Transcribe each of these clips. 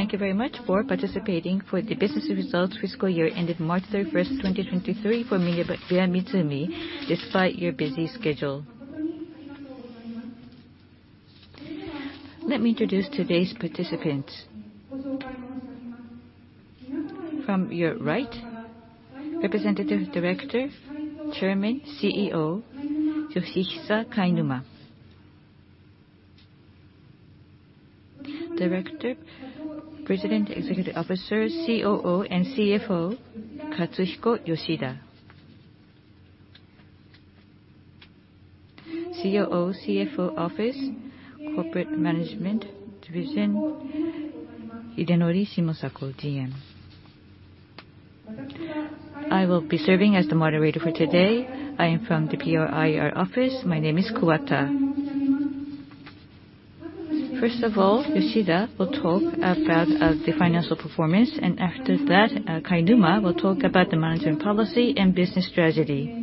Thank you very much for participating for the business results fiscal year ended March 31st, 2023 for MinebeaMitsumi, despite your busy schedule. Let me introduce today's participants. From your right, Representative Director, Chairman, CEO, Tsuyohisa Kainuma. Director, President, Executive Officer, COO and CFO, Katsuhiko Yoshida. COO, CFO Office, Corporate Management Division, Hidenori Shimosako, GM. I will be serving as the moderator for today. I am from the PR IR office. My name is Kuwata. First of all, Yoshida will talk about the financial performance, and after that, Kainuma will talk about the management policy and business strategy.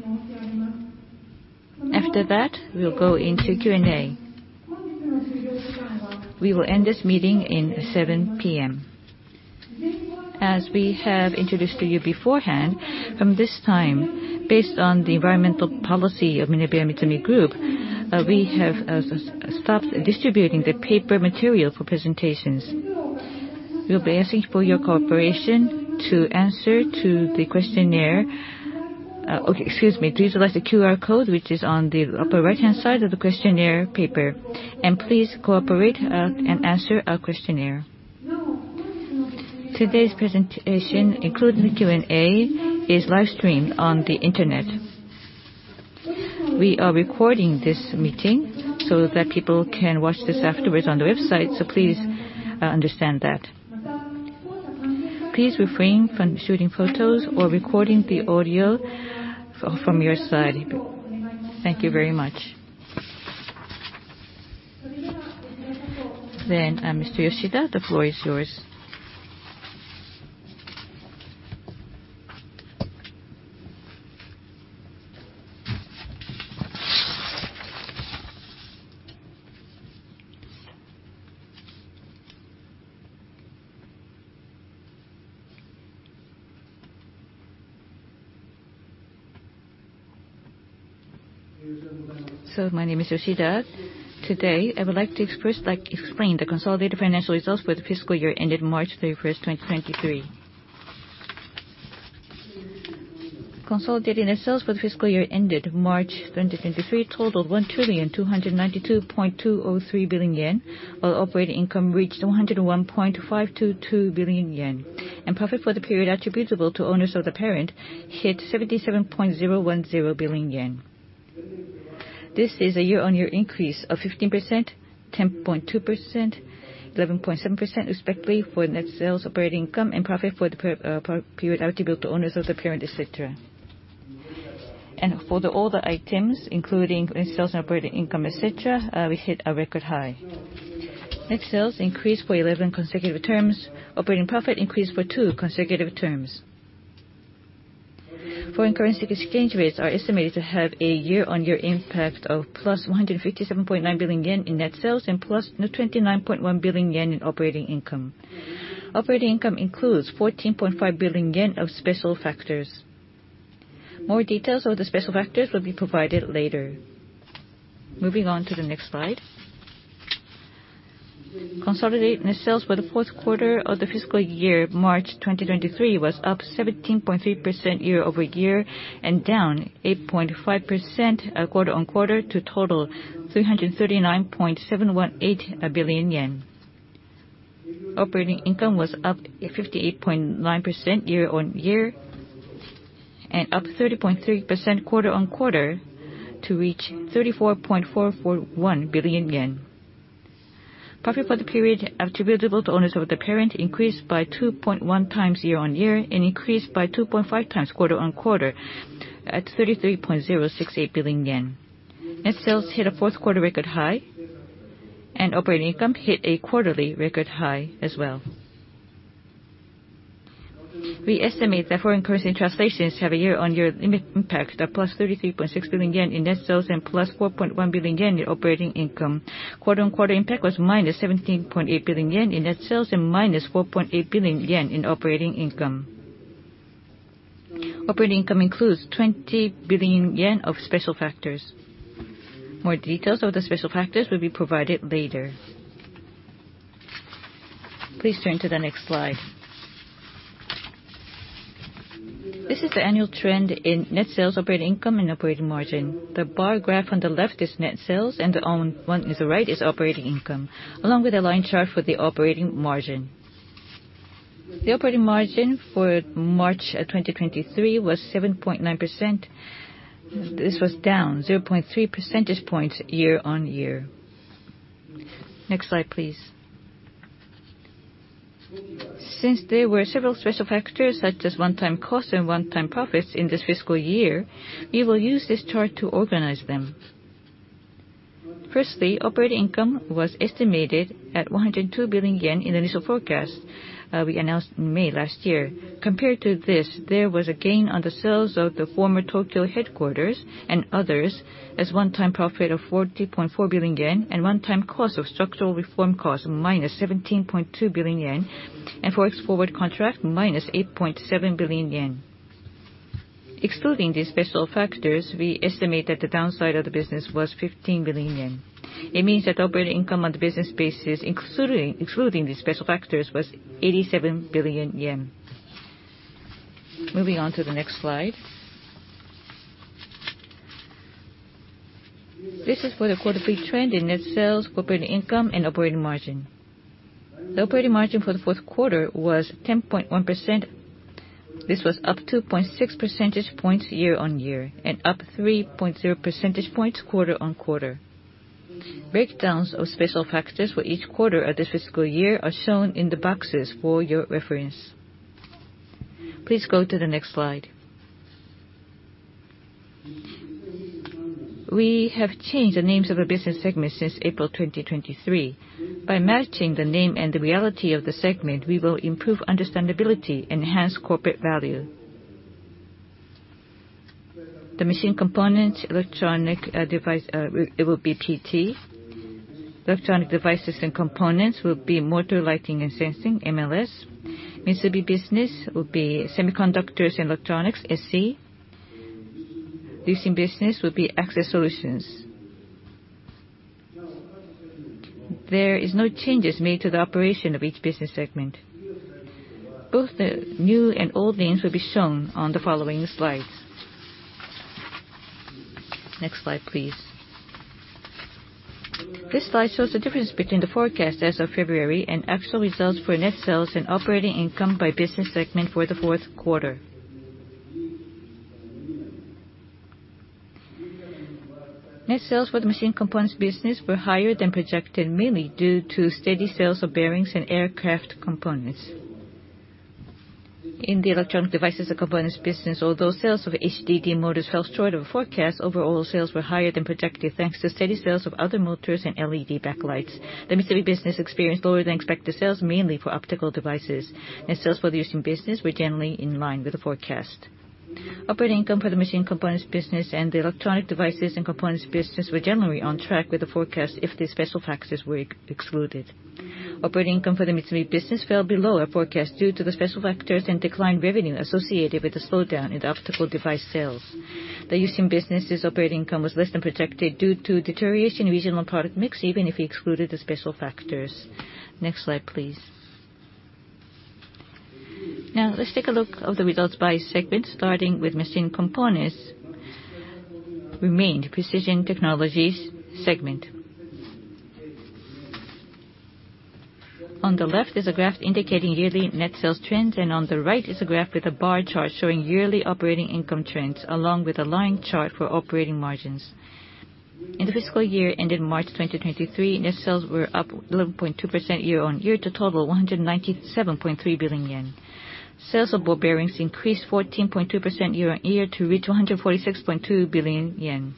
After that, we'll go into Q&A. We will end this meeting in 7:00 P.M. As we have introduced to you beforehand, from this time, based on the environmental policy of MinebeaMitsumi Group, we have stopped distributing the paper material for presentations. We'll be asking for your cooperation to answer to the questionnaire. To utilize the QR code, which is on the upper right-hand side of the questionnaire paper, and please cooperate and answer our questionnaire. Today's presentation, including the Q&A, is live streamed on the internet. We are recording this meeting so that people can watch this afterwards on the website. Please understand that. Please refrain from shooting photos or recording the audio from your side. Thank you very much. Mr. Yoshida, the floor is yours. My name is Yoshida. Today, I would like to explain the consolidated financial results for the fiscal year ended March 31st, 2023. Consolidated net sales for the fiscal year ended March 2023 totaled 1,292.203 billion yen, while operating income reached 101.522 billion yen. Profit for the period attributable to owners of the parent hit 77.010 billion yen. This is a year-on-year increase of 15%, 10.2%, 11.7% respectively for net sales, operating income, and profit for the per period attributable to owners of the parent, et cetera. For the older items, including net sales and operating income, et cetera, we hit a record high. Net sales increased for 11 consecutive terms. Operating profit increased for two consecutive terms. Foreign currency exchange rates are estimated to have a year-on-year impact of +157.9 billion yen in net sales and +29.1 billion yen in operating income. Operating income includes 14.5 billion yen of special factors. More details of the special factors will be provided later. Moving on to the next slide. Consolidated net sales for the fourth quarter of the fiscal year March 2023 was up 17.3% year-over-year and down 8.5% quarter-on-quarter to total 339.718 billion yen. Operating income was up 58.9% year-on-year and up 30.3% quarter-on-quarter to reach 34.441 billion yen. Profit for the period attributable to owners of the parent increased by 2.1x year-on-year and increased by 2.5x quarter-on-quarter at 33.068 billion yen. Net sales hit a 4th quarter record high, and operating income hit a quarterly record high as well. We estimate that foreign currency translations have a year-on-year limit impact of +33.6 billion yen in net sales and +4.1 billion yen in operating income. Quarter-on-quarter impact was -17.8 billion yen in net sales and -4.8 billion yen in operating income. Operating income includes 20 billion yen of special factors. More details of the special factors will be provided later. Please turn to the next slide. This is the annual trend in net sales, operating income, and operating margin. The bar graph on the left is net sales, and the one on the right is operating income, along with a line chart for the operating margin. The operating margin for March 2023 was 7.9%. This was down 0.3 percentage points year-over-year. Next slide, please. Since there were several special factors, such as one-time costs and one-time profits in this fiscal year, we will use this chart to organize them. Firstly, operating income was estimated at 102 billion yen in the initial forecast, we announced in May last year. Compared to this, there was a gain on the sales of the former Tokyo headquarters and others as one-time profit of 40.4 billion yen and one-time cost of structural reform cost -17.2 billion yen and FX forward contract -8.7 billion yen. Excluding these special factors, we estimate that the downside of the business was 15 billion yen. It means that operating income on the business basis, including, excluding these special factors, was 87 billion yen. Moving on to the next slide. This is for the quarter pre-trend in net sales, operating income and operating margin. The operating margin for the fourth quarter was 10.1%. This was up 2.6 percentage points year-on-year and up 3.0 percentage points quarter-on-quarter. Breakdowns of special factors for each quarter of this fiscal year are shown in the boxes for your reference. Please go to the next slide. We have changed the names of the business segments since April 2023. By matching the name and the reality of the segment, we will improve understandability and enhance corporate value. The machine components, electronic device, it will be PT. Electronic devices and components will be Motor, Lighting & Sensing, MLS. MITSUMI business will be Semiconductors & Electronics, SE. U-Shin business will be Access Solutions. There is no changes made to the operation of each business segment. Both the new and old names will be shown on the following slides. Next slide, please. This slide shows the difference between the forecast as of February and actual results for net sales and operating income by business segment for the fourth quarter. Net sales for the Machine Components Business were higher than projected, mainly due to steady sales of bearings and aircraft components. In the Electronic Devices and Components Business, although sales of HDD motors fell short of forecast, overall sales were higher than projected, thanks to steady sales of other motors and LED backlights. The MITSUMI business experienced lower than expected sales, mainly for optical devices. Net sales for the U-Shin business were generally in line with the forecast. Operating income for the Machine Components Business and the Electronic Devices and Components Business were generally on track with the forecast if the special factors were excluded. Operating income for the MITSUMI business fell below our forecast due to the special factors and declined revenue associated with the slowdown in optical device sales. The U-Shin business's operating income was less than projected due to deterioration in regional product mix, even if we excluded the special factors. Next slide, please. Now let's take a look of the results by segment, starting with machine components. Remained Precision Technologies segment. On the left is a graph indicating yearly net sales trends, and on the right is a graph with a bar chart showing yearly operating income trends, along with a line chart for operating margins. In the fiscal year ending March 2023, net sales were up 11.2% year-on-year to total 197.3 billion yen. Sales of ball bearings increased 14.2% year-on-year to reach 146.2 billion yen.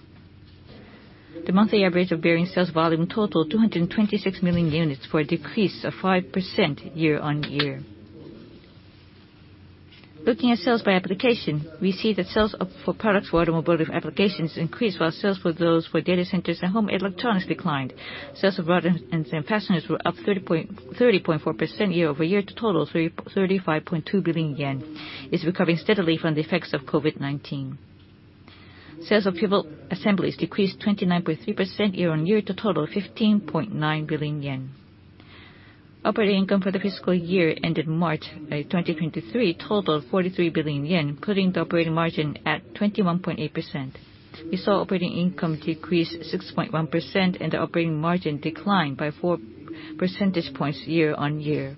The monthly average of bearing sales volume totaled 226 million units for a decrease of 5% year-on-year. Looking at sales by application, we see that sales for products for automotive applications increased while sales for those for data centers and home electronics declined. Sales of rod ends and fasteners were up 30.4% year-over-year to total 35.2 billion yen. It's recovering steadily from the effects of COVID-19. Sales of pivot assemblies decreased 29.3% year-on-year to total 15.9 billion yen. Operating income for the fiscal year ending March 2023 totaled 43 billion yen, putting the operating margin at 21.8%. We saw operating income decrease 6.1% and the operating margin decline by 4 percentage points year-on-year.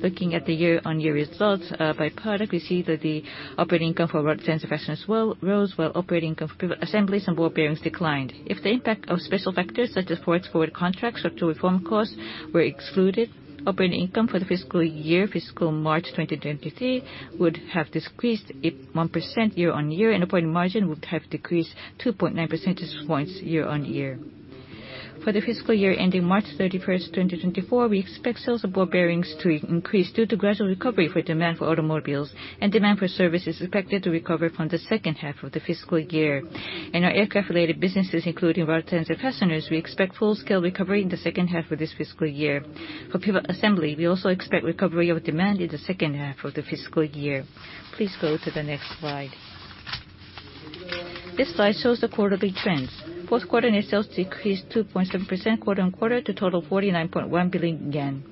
Looking at the year-on-year results by product, we see that the operating income for rod ends and fasteners rose, while operating income for pivot assemblies and ball bearings declined. If the impact of special factors such as forex forward contracts, structural reform costs were excluded, operating income for the fiscal year, fiscal March 2023, would have decreased 81% year-on-year and operating margin would have decreased 2.9 percentage points year-on-year. For the fiscal year ending March 31st, 2024, we expect sales of ball bearings to increase due to gradual recovery for demand for automobiles and demand for services expected to recover from the second half of the fiscal year. In our aircraft-related businesses, including rod ends and fasteners, we expect full-scale recovery in the second half of this fiscal year. For pivot assembly, we also expect recovery of demand in the second half of the fiscal year. Please go to the next slide. This slide shows the quarterly trends. Fourth quarter net sales decreased 2.7% quarter-on-quarter to total 49.1 billion yen.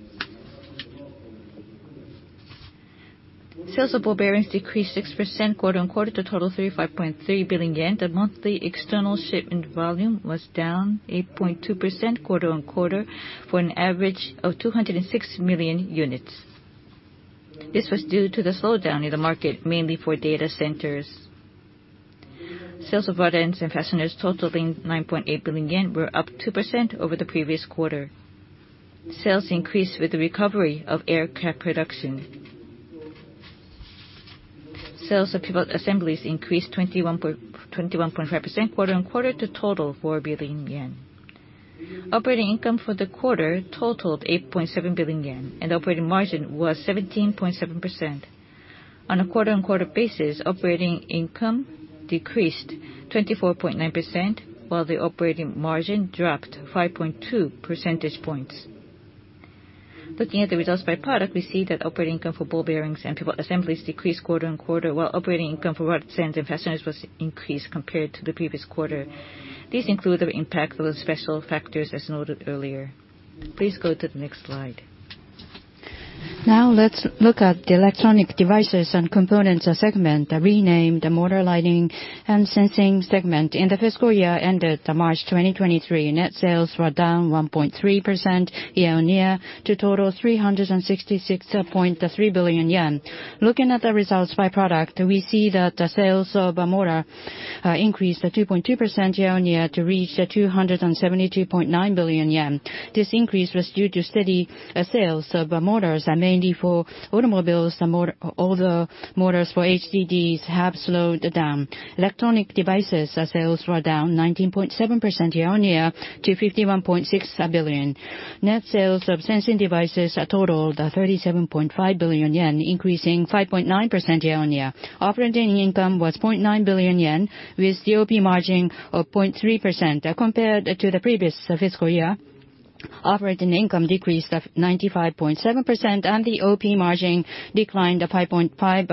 Sales of ball bearings decreased 6% quarter-on-quarter to total 35.3 billion yen. The monthly external shipment volume was down 8.2% quarter-on-quarter for an average of 206 million units. This was due to the slowdown in the market, mainly for data centers. Sales of rod ends and fasteners totaling 9.8 billion yen were up 2% over the previous quarter. Sales increased with the recovery of aircraft production. Sales of pivot assemblies increased 21.5% quarter-over-quarter to total 4 billion yen. Operating income for the quarter totaled 8.7 billion yen, and operating margin was 17.7%. On a quarter-over-quarter basis, operating income decreased 24.9%, while the operating margin dropped 5.2 percentage points. Looking at the results by product, we see that operating income for ball bearings and pivot assemblies decreased quarter-over-quarter, while operating income for rod ends and fasteners was increased compared to the previous quarter. These include the impact of special factors, as noted earlier. Please go to the next slide. Now let's look at the electronic devices and components segment, renamed Motor, Lighting & Sensing segment. In the fiscal year ended March 2023, net sales were down 1.3% year-on-year to total 366.3 billion yen. Looking at the results by product, we see that sales of motor increased 2.2% year-on-year to reach 272.9 billion yen. This increase was due to steady sales of motors mainly for automobiles. Although motors for HDDs have slowed down. Electronic devices sales were down 19.7% year-on-year to 51.6 billion. Net sales of sensing devices totaled 37.5 billion yen, increasing 5.9% year-on-year. Operating income was 0.9 billion yen, with the OP margin of 0.3%. Compared to the previous fiscal year, operating income decreased 95.7% and the OP margin declined 5.5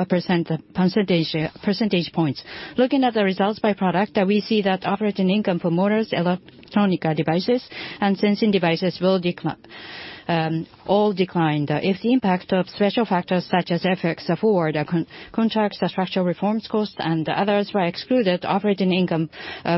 percentage points. Looking at the results by product, we see that operating income for motors, electronic devices, and sensing devices all declined. If the impact of special factors such as FX forward contracts, structural reforms cost, and others were excluded, operating income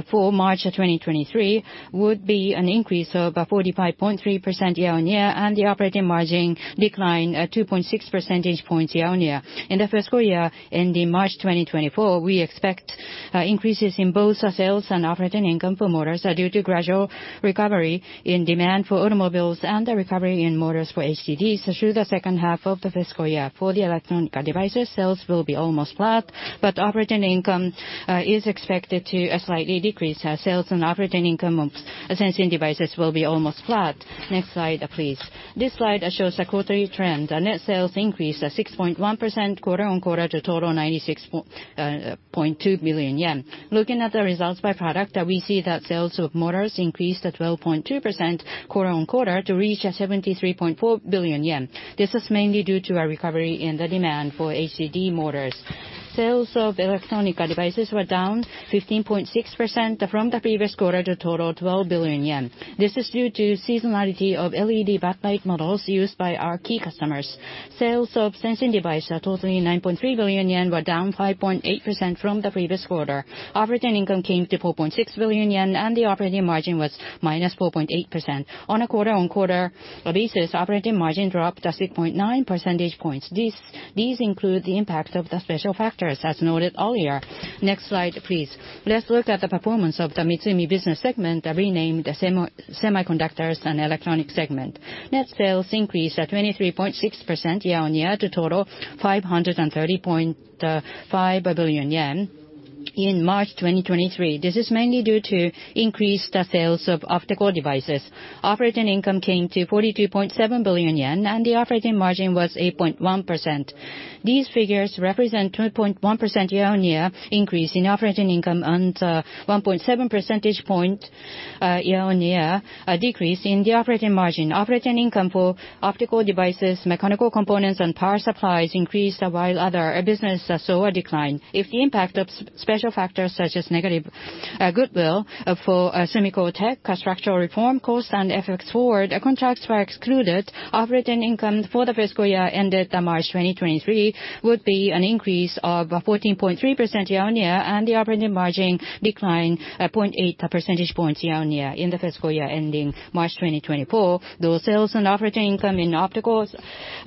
for March 2023 would be an increase of 45.3% year-on-year and the operating margin decline 2.6 percentage points year-on-year. In the fiscal year ending March 2024, we expect increases in both sales and operating income for motors due to gradual recovery in demand for automobiles and the recovery in motors for HDDs through the second half of the fiscal year. For the electronic devices, sales will be almost flat, but operating income is expected to slightly decrease. Sales and operating income of sensing devices will be almost flat. Next slide, please. This slide shows the quarterly trend. Net sales increased 6.1% quarter-on-quarter to total 96.2 billion yen. Looking at the results by product, we see that sales of motors increased 12.2% quarter-on-quarter to reach 73.4 billion yen. This is mainly due to a recovery in the demand for HDD motors. Sales of electronic devices were down 15.6% from the previous quarter to total 12 billion yen. This is due to seasonality of LED backlight models used by our key customers. Sales of sensing device totaling 9.3 billion yen were down 5.8% from the previous quarter. Operating income came to 4.6 billion yen, and the operating margin was -4.8%. On a quarter-on-quarter basis, operating margin dropped to 6.9 percentage points. These include the impact of the special factors, as noted earlier. Next slide, please. Let's look at the performance of the MITSUMI business segment, renamed Semiconductors & Electronics segment. Net sales increased 23.6% year-on-year to total 530.5 billion yen in March 2023. This is mainly due to increased sales of optical devices. Operating income came to 42.7 billion yen, and the operating margin was 8.1%. These figures represent 2.1% year-on-year increase in operating income and 1.7 percentage point year-on-year decrease in the operating margin. Operating income for optical devices, mechanical components, and power supplies increased, while other business saw a decline. If the impact of special factors such as negative goodwill for SUMIKO TEC, structural reform cost, and FX forward contracts were excluded, operating income for the fiscal year ended March 2023 would be an increase of 14.3% year-on-year and the operating margin decline at 0.8 percentage points year-on-year. In the fiscal year ending March 2024, those sales and operating income in optical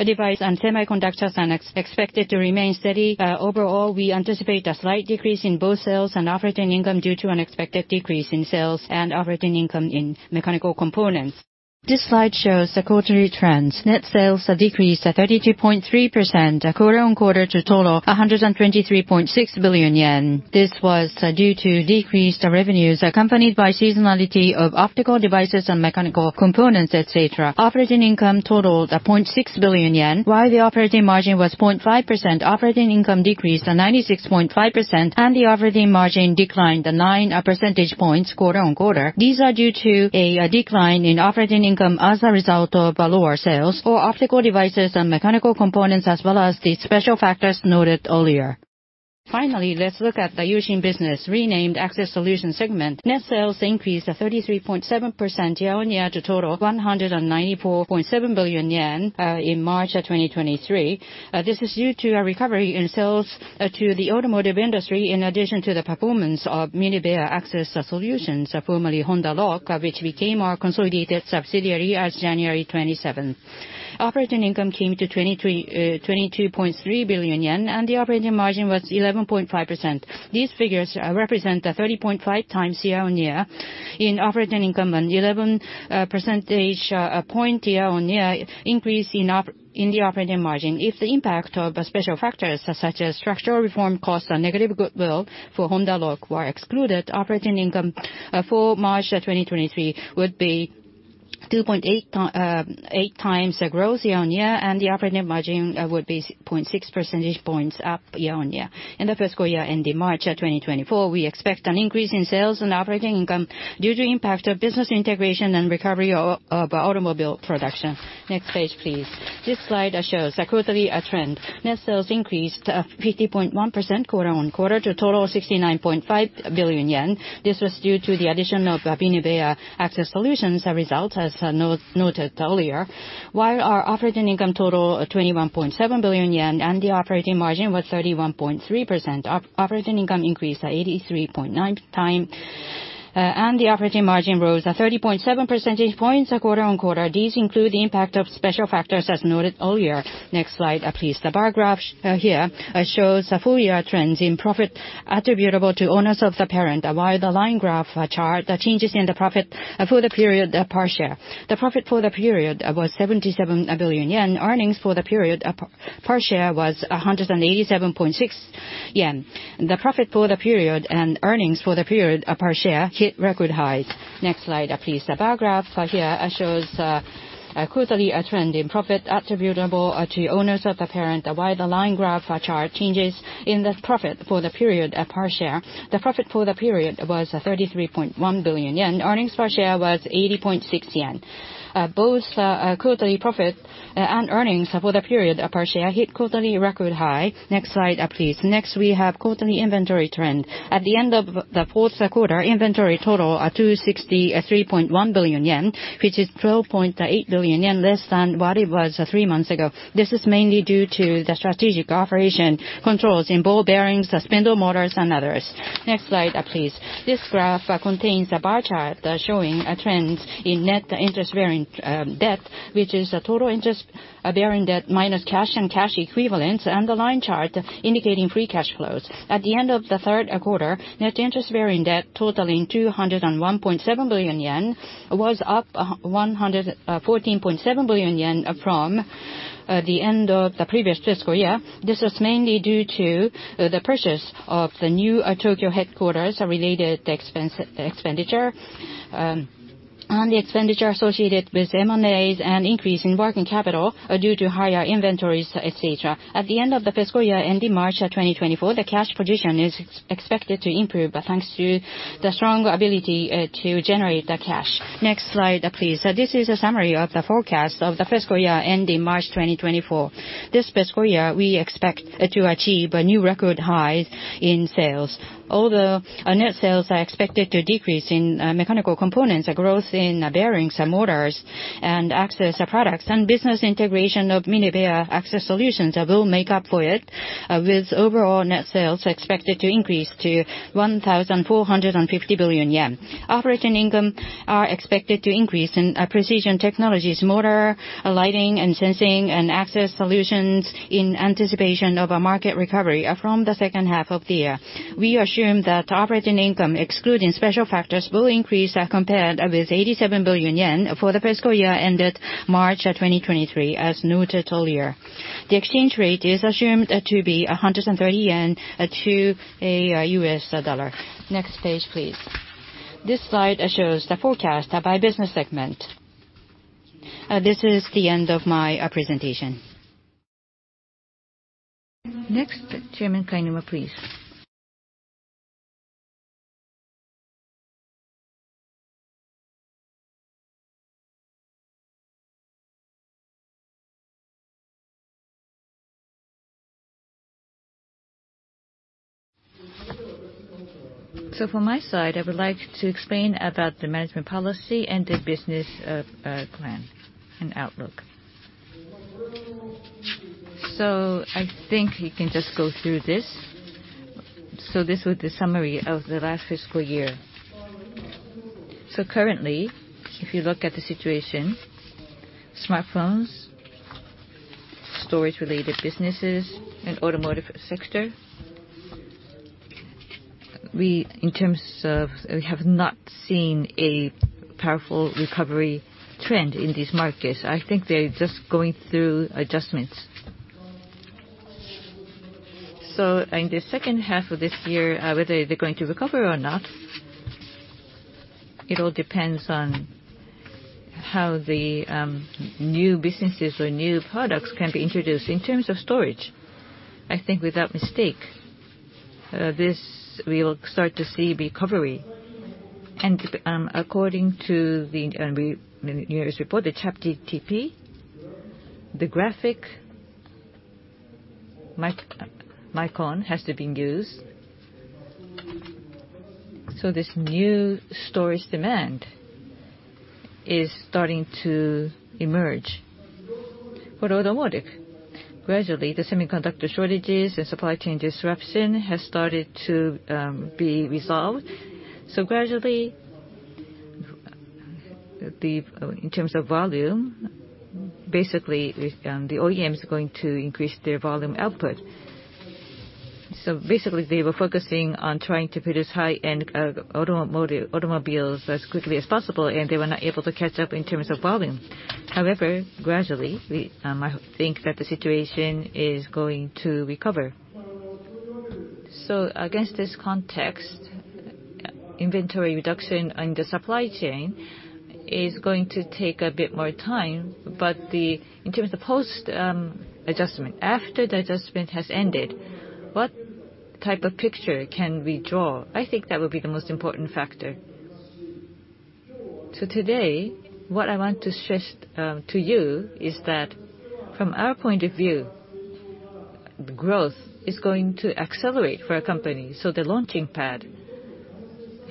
device and semiconductors are expected to remain steady. Overall, we anticipate a slight decrease in both sales and operating income due to an expected decrease in sales and operating income in mechanical components. This slide shows the quarterly trends. Net sales decreased 32.3% quarter-on-quarter to total 123.6 billion yen. This was due to decreased revenues accompanied by seasonality of optical devices and mechanical components, et cetera. Operating income totaled 0.6 billion yen, while the operating margin was 0.5%. Operating income decreased 96.5%, and the operating margin declined 9 percentage points quarter-on-quarter. These are due to a decline in operating income as a result of lower sales for optical devices and mechanical components, as well as the special factors noted earlier. Finally, let's look at the U-Shin business, renamed Access Solutions segment. Net sales increased 33.7% year-on-year to total 194.7 billion yen in March 2023. This is due to a recovery in sales to the automotive industry, in addition to the performance of Minebea AccessSolutions, formerly Honda Lock, which became our consolidated subsidiary as January 27th. Operating income came to 23 billion yen, and the operating margin was 11.5%. These figures represent a 30.5x year-on-year in operating income and 11 percentage point year-on-year increase in the operating margin. If the impact of special factors such as structural reform costs and negative goodwill for Honda Lock were excluded, operating income for March 2023 would be 2.8x the growth year-on-year and the operating margin would be 0.6 percentage points up year-on-year. In the fiscal year ending March 2024, we expect an increase in sales and operating income due to impact of business integration and recovery of automobile production. Next page, please. This slide shows quarterly trend. Net sales increased 50.1% quarter-on-quarter to a total of 69.5 billion yen. This was due to the addition of Minebea AccessSolutions, a result as noted earlier. While our operating income total 21.7 billion yen and the operating margin was 31.3%. Operating income increased 83.9 time, and the operating margin rose 30.7 percentage points, quarter-on-quarter. These include the impact of special factors, as noted earlier. Next slide, please. The bar graph here shows the full year trends in profit attributable to owners of the parent, while the line graph chart, the changes in the profit for the period per share. The profit for the period was 77 billion yen. Earnings for the period per share was 187.6 yen. The profit for the period and earnings for the period per share hit record highs. Next slide please. The bar graph here shows quarterly trend in profit attributable to owners of the parent, while the line graph chart changes in the profit for the period per share. The profit for the period was 33.1 billion yen. Earnings per share was 80.6 yen. Both quarterly profit and earnings for the period per share hit quarterly record high. Next slide please. Next, we have quarterly inventory trend. At the end of the fourth quarter, inventory total 263.1 billion yen, which is 12.8 billion yen less than what it was three months ago. This is mainly due to the strategic operation controls in ball bearings, spindle motors and others. Next slide, please. This graph contains a bar chart showing trends in net interest bearing debt, which is a total interest bearing debt minus cash and cash equivalents, and the line chart indicating free cash flows. At the end of the third quarter, net interest bearing debt totaling 201.7 billion yen was up 114.7 billion yen from the end of the previous fiscal year. This was mainly due to the purchase of the new Tokyo headquarters, a related expense expenditure, and the expenditure associated with M&As and increase in working capital due to higher inventories, et cetera. At the end of the fiscal year ending March 2024, the cash position is expected to improve, thanks to the strong ability to generate the cash. Next slide, please. This is a summary of the forecast of the fiscal year ending March 2024. This fiscal year, we expect to achieve a new record high in sales. Although net sales are expected to decrease in mechanical components, a growth in bearings and motors and access products and business integration of Minebea AccessSolutions will make up for it, with overall net sales expected to increase to 1,450 billion yen. Operating income are expected to increase in Precision Technologies, Motor, Lighting & Sensing and Access Solutions in anticipation of a market recovery from the second half of the year. We assume that operating income, excluding special factors, will increase, compared with 87 billion yen for the fiscal year ended March 2023, as noted earlier. The exchange rate is assumed to be 130 yen to a U.S. dollar. Next page, please. This slide shows the forecast by business segment. This is the end of my presentation. Next, Chairman Kainuma, please. From my side, I would like to explain about the management policy and the business plan and outlook. I think you can just go through this. This was the summary of the last fiscal year. Currently, if you look at the situation, smartphones, storage related businesses and automotive sector, we have not seen a powerful recovery trend in these markets. I think they're just going through adjustments. In the second half of this year, whether they're going to recover or not, it all depends on how the new businesses or new products can be introduced. In terms of storage, I think without mistake, this we will start to see recovery. According to the re-new year's report, the ChatGPT, the graphic Micron has to be used. This new storage demand is starting to emerge. For automotive, gradually the semiconductor shortages and supply chain disruption has started to be resolved. The, in terms of volume, basically, with, the OEMs are going to increase their volume output. Basically, they were focusing on trying to produce high-end, automobiles as quickly as possible, and they were not able to catch up in terms of volume. However, gradually, we, I think that the situation is going to recover. Against this context, inventory reduction on the supply chain is going to take a bit more time. But in terms of post, adjustment, after the adjustment has ended, what type of picture can we draw? I think that would be the most important factor. Today, what I want to stress, to you is that from our point of view, growth is going to accelerate for our company, so the launching pad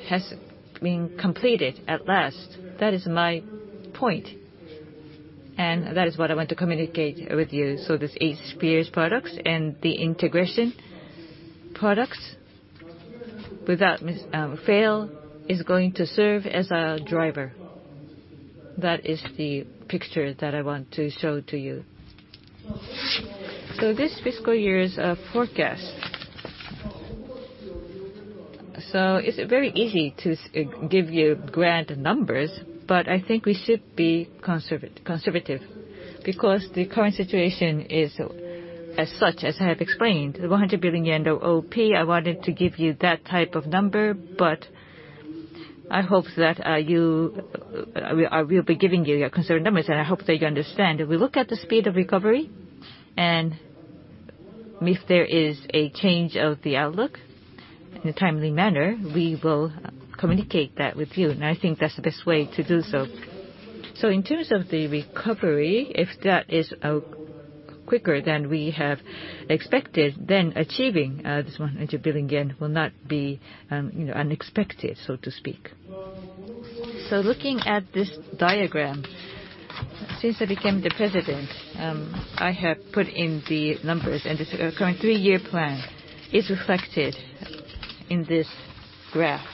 has been completed at last. That is my point, and that is what I want to communicate with you. This Eight Spears products and the integration products, without fail, is going to serve as our driver. That is the picture that I want to show to you. This fiscal year's forecast. It's very easy to give you grand numbers, but I think we should be conservative because the current situation is as such, as I have explained. The 100 billion yen of OOP, I wanted to give you that type of number, but I hope that you I will be giving you conservative numbers, and I hope that you understand. If we look at the speed of recovery, and if there is a change of the outlook in a timely manner, we will communicate that with you, and I think that's the best way to do so. In terms of the recovery, if that is out quicker than we have expected, then achieving this 100 billion yen will not be, you know, unexpected, so to speak. Looking at this diagram, since I became the president, I have put in the numbers, and the current three-year plan is reflected in this graph.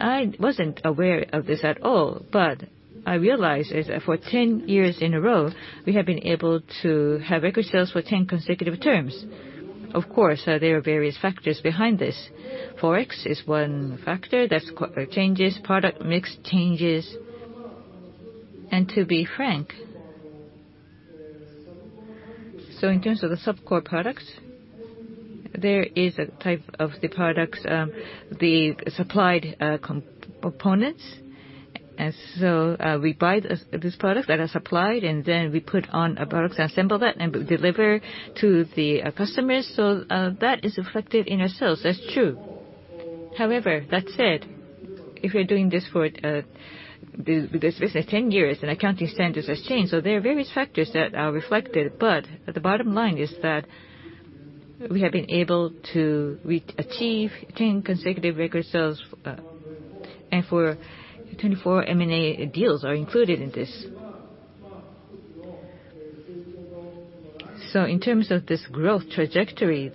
I wasn't aware of this at all, but I realized is that for 10 years in a row, we have been able to have record sales for 10 consecutive terms. Of course, there are various factors behind this. Forex is one factor that changes, product mix changes. To be frank, so in terms of the sub-core products, there is a type of the products, the supplied components. We buy this product that are supplied, and then we put on products, assemble that, and deliver to the customers. That is reflected in our sales. That's true. However, that said, if you're doing this for, this business 10 years and accounting standards has changed, there are various factors that are reflected. The bottom line is that we have been able to achieve 10 consecutive record sales, and for 24 M&A deals are included in this. In terms of this growth trajectory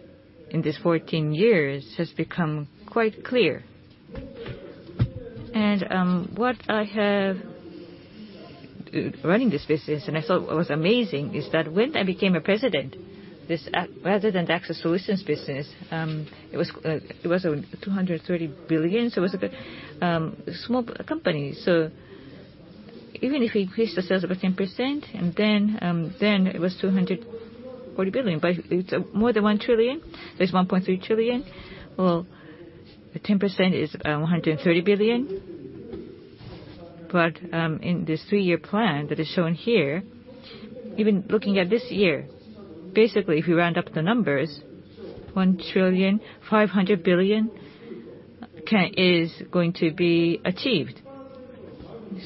in this 14 years has become quite clear. What I have running this business, and I thought it was amazing, is that when I became a president, this rather than the Access Solutions business, it was 230 billion, it was a bit small company. Even if we increase the sales by 10%, it was 240 billion, it's more than 1 trillion. There's 1.3 trillion. 10% is 130 billion. In this three-year plan that is shown here, even looking at this year, basically, if we round up the numbers, 1.5 trillion is going to be achieved.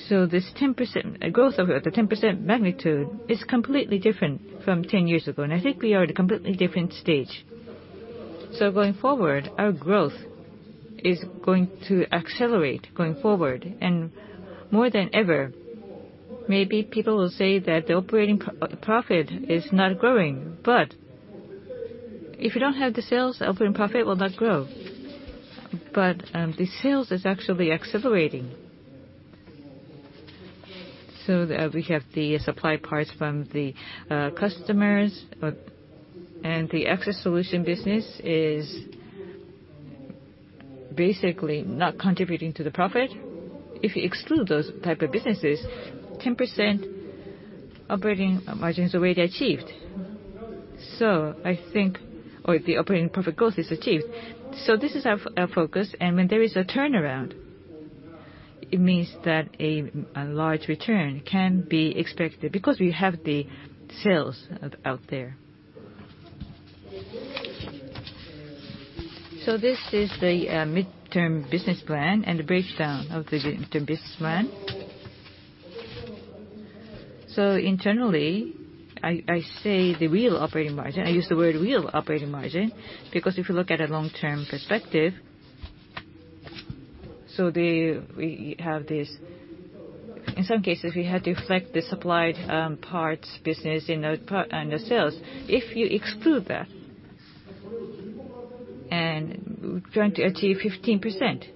This 10% growth of the 10% magnitude is completely different from 10 years ago, and I think we are at a completely different stage. Going forward, our growth is going to accelerate going forward. More than ever, maybe people will say that the operating profit is not growing. If you don't have the sales, operating profit will not grow. The sales is actually accelerating. We have the supply parts from the customers. The Access Solutions business is basically not contributing to the profit. If you exclude those type of businesses, 10% operating margins already achieved. The operating profit growth is achieved. This is our focus. When there is a turnaround, it means that a large return can be expected because we have the sales out there. This is the midterm business plan and the breakdown of the midterm business plan. Internally, I say the real operating margin, I use the word real operating margin, because if you look at a long-term perspective, we have this In some cases, we had to reflect the supplied parts business in the sales. If you exclude that, we're going to achieve 15%.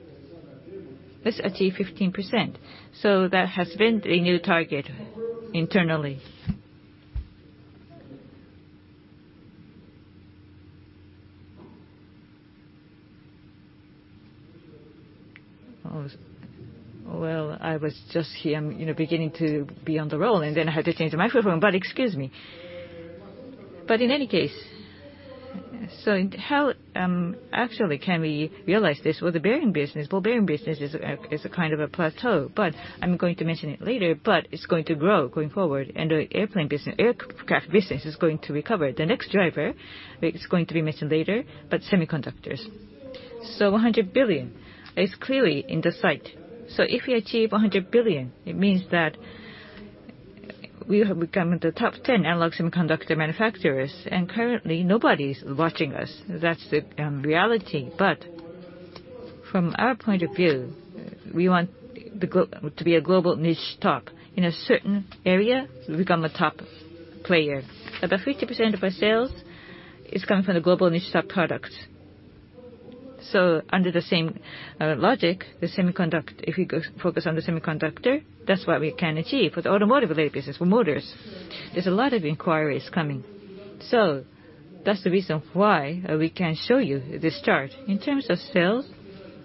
Let's achieve 15%. That has been the new target internally. Well, I was just, you know, beginning to be on the roll, I had to change the microphone, excuse me. In any case, how actually can we realize this with the bearing business? Well, bearing business is a kind of a plateau, I'm going to mention it later, it's going to grow going forward. The aircraft business is going to recover. The next driver is going to be mentioned later, semiconductors. 100 billion is clearly in the sight. If we achieve 100 billion, it means that we have become the top 10 analog semiconductor manufacturers, and currently, nobody's watching us. That's the reality. From our point of view, we want to be a global niche top. In a certain area, we become a top player. About 50% of our sales is coming from the global niche top products. Under the same logic, the semiconductor, if we go focus on the semiconductor, that's what we can achieve. With automotive-related business, with motors, there's a lot of inquiries coming. That's the reason why we can show you this chart. In terms of sales,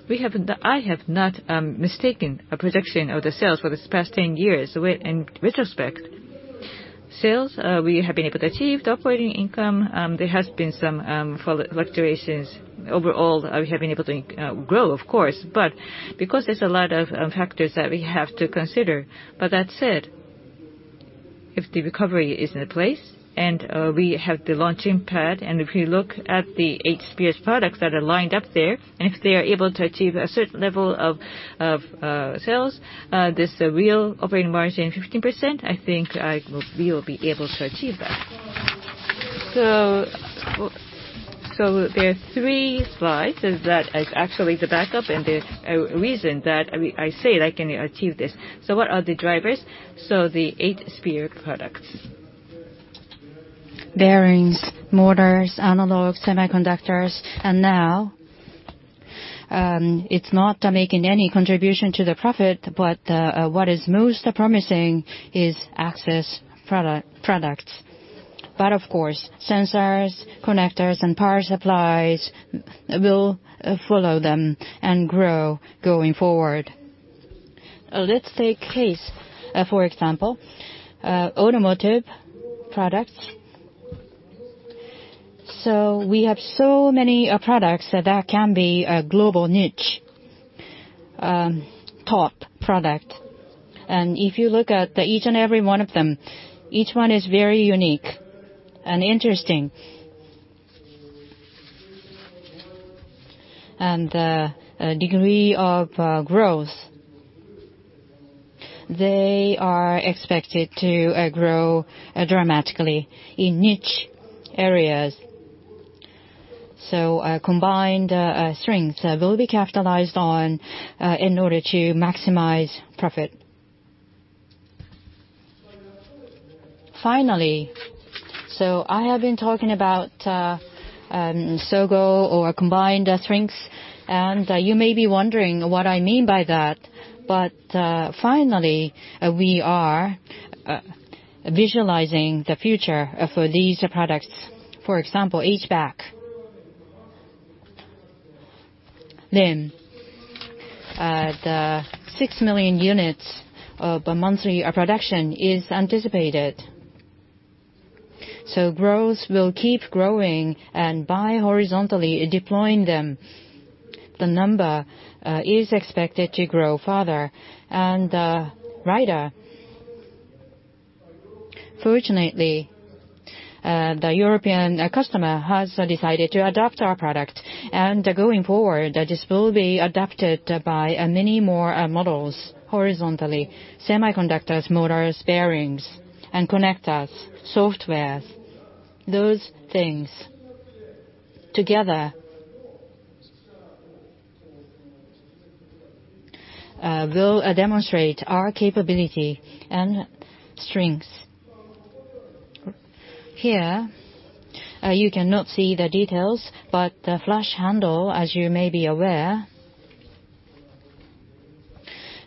we have I have not mistaken a projection of the sales for this past 10 years. We in retrospect, sales, we have been able to achieve the operating income. There has been some fluctuations. Overall, we have been able to grow, of course, but because there's a lot of factors that we have to consider. That said, if the recovery is in place, and we have the launching pad, and if you look at the Eight Spears products that are lined up there, and if they are able to achieve a certain level of sales, this real operating margin 15%, I think we will be able to achieve that. There are three slides, is that is actually the backup, and there's a reason that I say that I can achieve this. What are the drivers? The Eight Spears products, bearings, motors, analogs, semiconductors, and now, it's not making any contribution to the profit, but what is most promising is Access products. Of course, sensors, connectors, and power supplies will follow them and grow going forward. Let's take case, for example, automotive products. We have so many products that can be a global niche top product. If you look at each and every one of them, each one is very unique and interesting. Degree of growth, they are expected to grow dramatically in niche areas. Combined strengths will be capitalized on in order to maximize profit. Finally, I have been talking about SOGO or combined strengths, and you may be wondering what I mean by that. Finally, we are visualizing the future for these products. For example, HVAC. The 6 million units of a monthly production is anticipated. Growth will keep growing, and by horizontally deploying them, the number is expected to grow further. Resolver, fortunately, the European customer has decided to adopt our product. Going forward, this will be adopted by many more models horizontally, semiconductors, motors, bearings, and connectors, softwares. Those things together will demonstrate our capability and strengths. Here, you cannot see the details, but the Flush Handle, as you may be aware,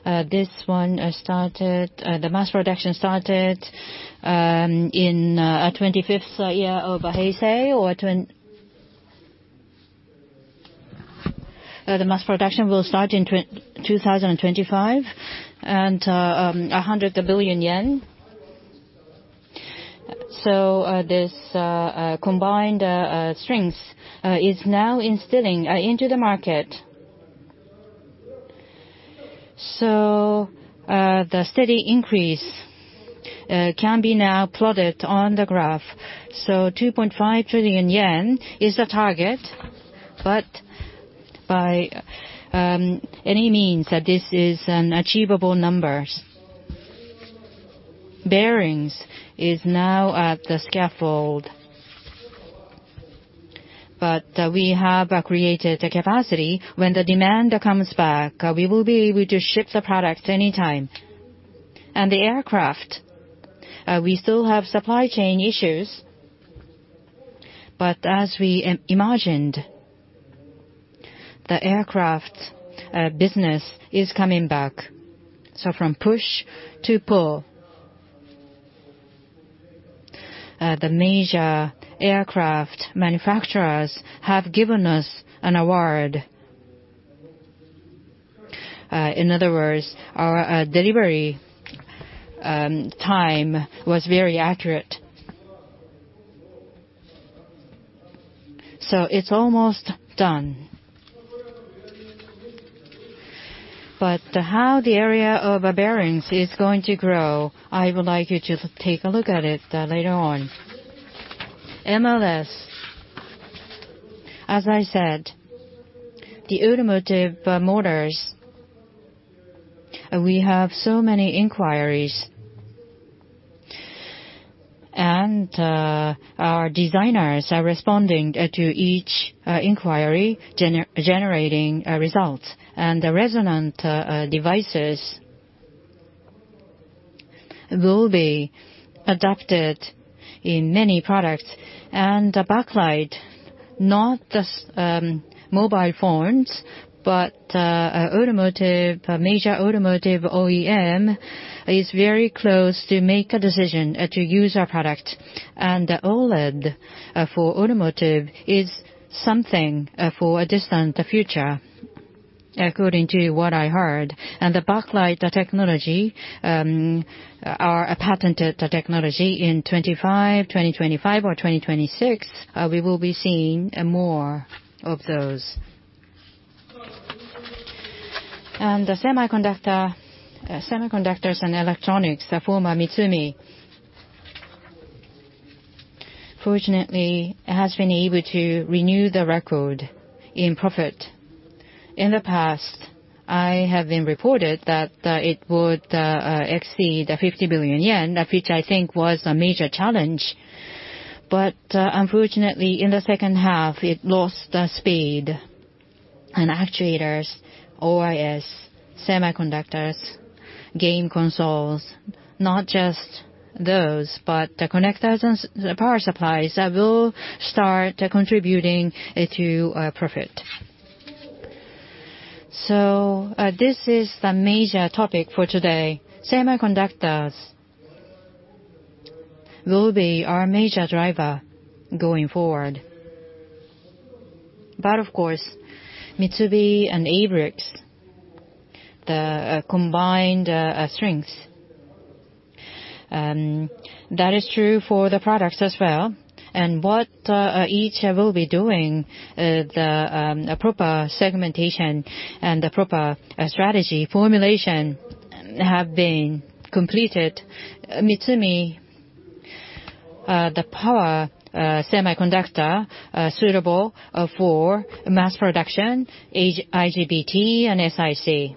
this one started, the mass production started in 25th year of Heisei or the mass production will start in 2025, and JPY 100 billion. This combined strengths is now instilling into the market. The steady increase can be now plotted on the graph. 2.5 trillion yen is the target, but by any means that this is an achievable number. Bearings is now at the scaffold. We have created a capacity. When the demand comes back, we will be able to ship the products any time. The aircraft, we still have supply chain issues, but as we imagined, the aircraft business is coming back. From push to pull. The major aircraft manufacturers have given us an award. In other words, our delivery time was very accurate. It's almost done. How the area of bearings is going to grow, I would like you to take a look at it later on. MLS. As I said, the automotive motors, we have so many inquiries. Our designers are responding to each inquiry, generating results. The resonant devices will be adapted in many products. The backlight, not just mobile phones, but automotive, major automotive OEM is very close to make a decision to use our product. The OLED for automotive is something for a distant future, according to what I heard. The backlight, the technology, our patented technology in 2025 or 2026, we will be seeing more of those. The semiconductor, Semiconductors & Electronics, the former MITSUMI, fortunately, has been able to renew the record in profit. In the past, I have been reported that it would exceed the 50 billion yen, which I think was a major challenge. Unfortunately, in the second half, it lost the speed and actuators, OIS, semiconductors, game consoles, not just those, but the connectors and power supplies that will start contributing to profit. This is the major topic for today. Semiconductors will be our major driver going forward. Of course, MITSUMI and ABLIC, the combined strengths, that is true for the products as well. What each will be doing, the proper segmentation and the proper strategy formulation have been completed. MITSUMI, the power semiconductor suitable for mass production, IGBT and SiC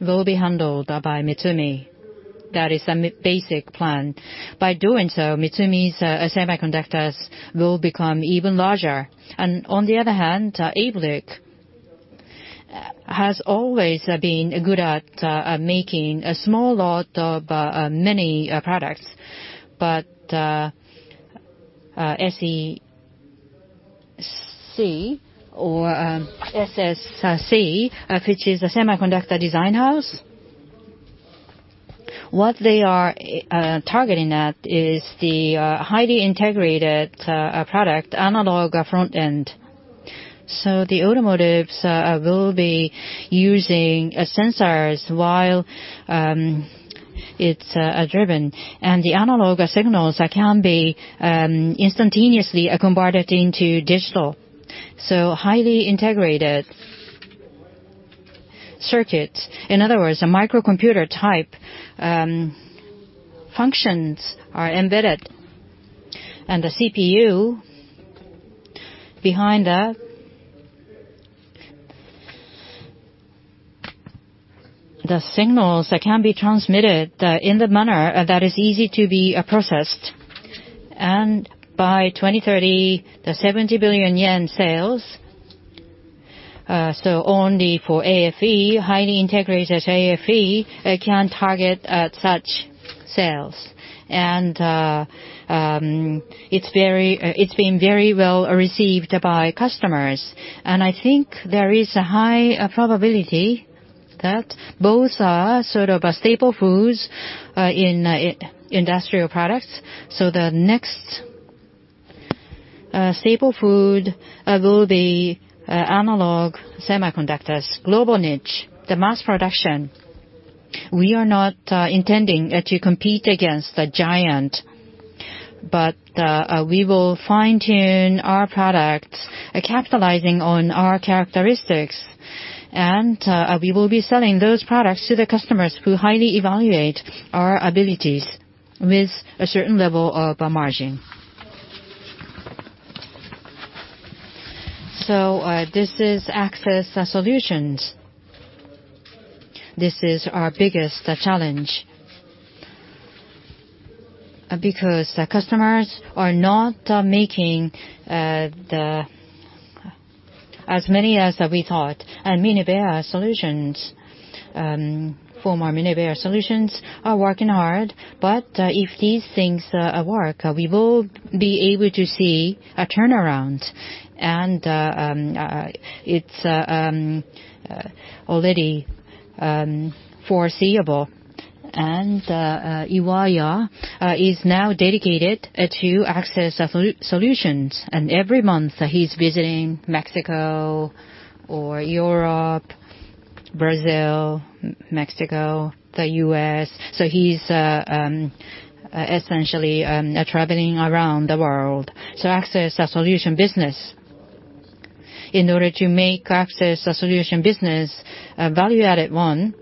will be handled by MITSUMI. That is the basic plan. By doing so, MITSUMI's semiconductors will become even larger. On the other hand, ABLIC has always been good at making a small lot of many products. SEC or SSC, which is a semiconductor design house, what they are targeting at is the highly integrated product, analog front-end. The automotives will be using sensors while it's driven. The analog signals can be instantaneously converted into digital. Highly integrated circuits. In other words, a microcomputer type functions are embedded. The CPU behind that, the signals that can be transmitted in the manner that is easy to be processed. By 2030, the 70 billion yen sales only for AFE, highly integrated AFE, can target such sales. It's very, it's been very well received by customers. I think there is a high probability that both are sort of staple foods in industrial products. The next staple food will be analog semiconductors. global niche, the mass production, we are not intending to compete against the giant, but we will fine-tune our products, capitalizing on our characteristics, and we will be selling those products to the customers who highly evaluate our abilities with a certain level of a margin. This is Access Solutions. This is our biggest challenge. Because the customers are not making as many as we thought. Minebea Solutions, former Minebea Solutions are working hard, but if these things work, we will be able to see a turnaround. It's already foreseeable. Iwaya is now dedicated to Access Solutions, and every month, he's visiting Mexico or Europe, Brazil, Mexico, the US. He's essentially traveling around the world to Access Solution business in order to make Access Solution business a value-added one.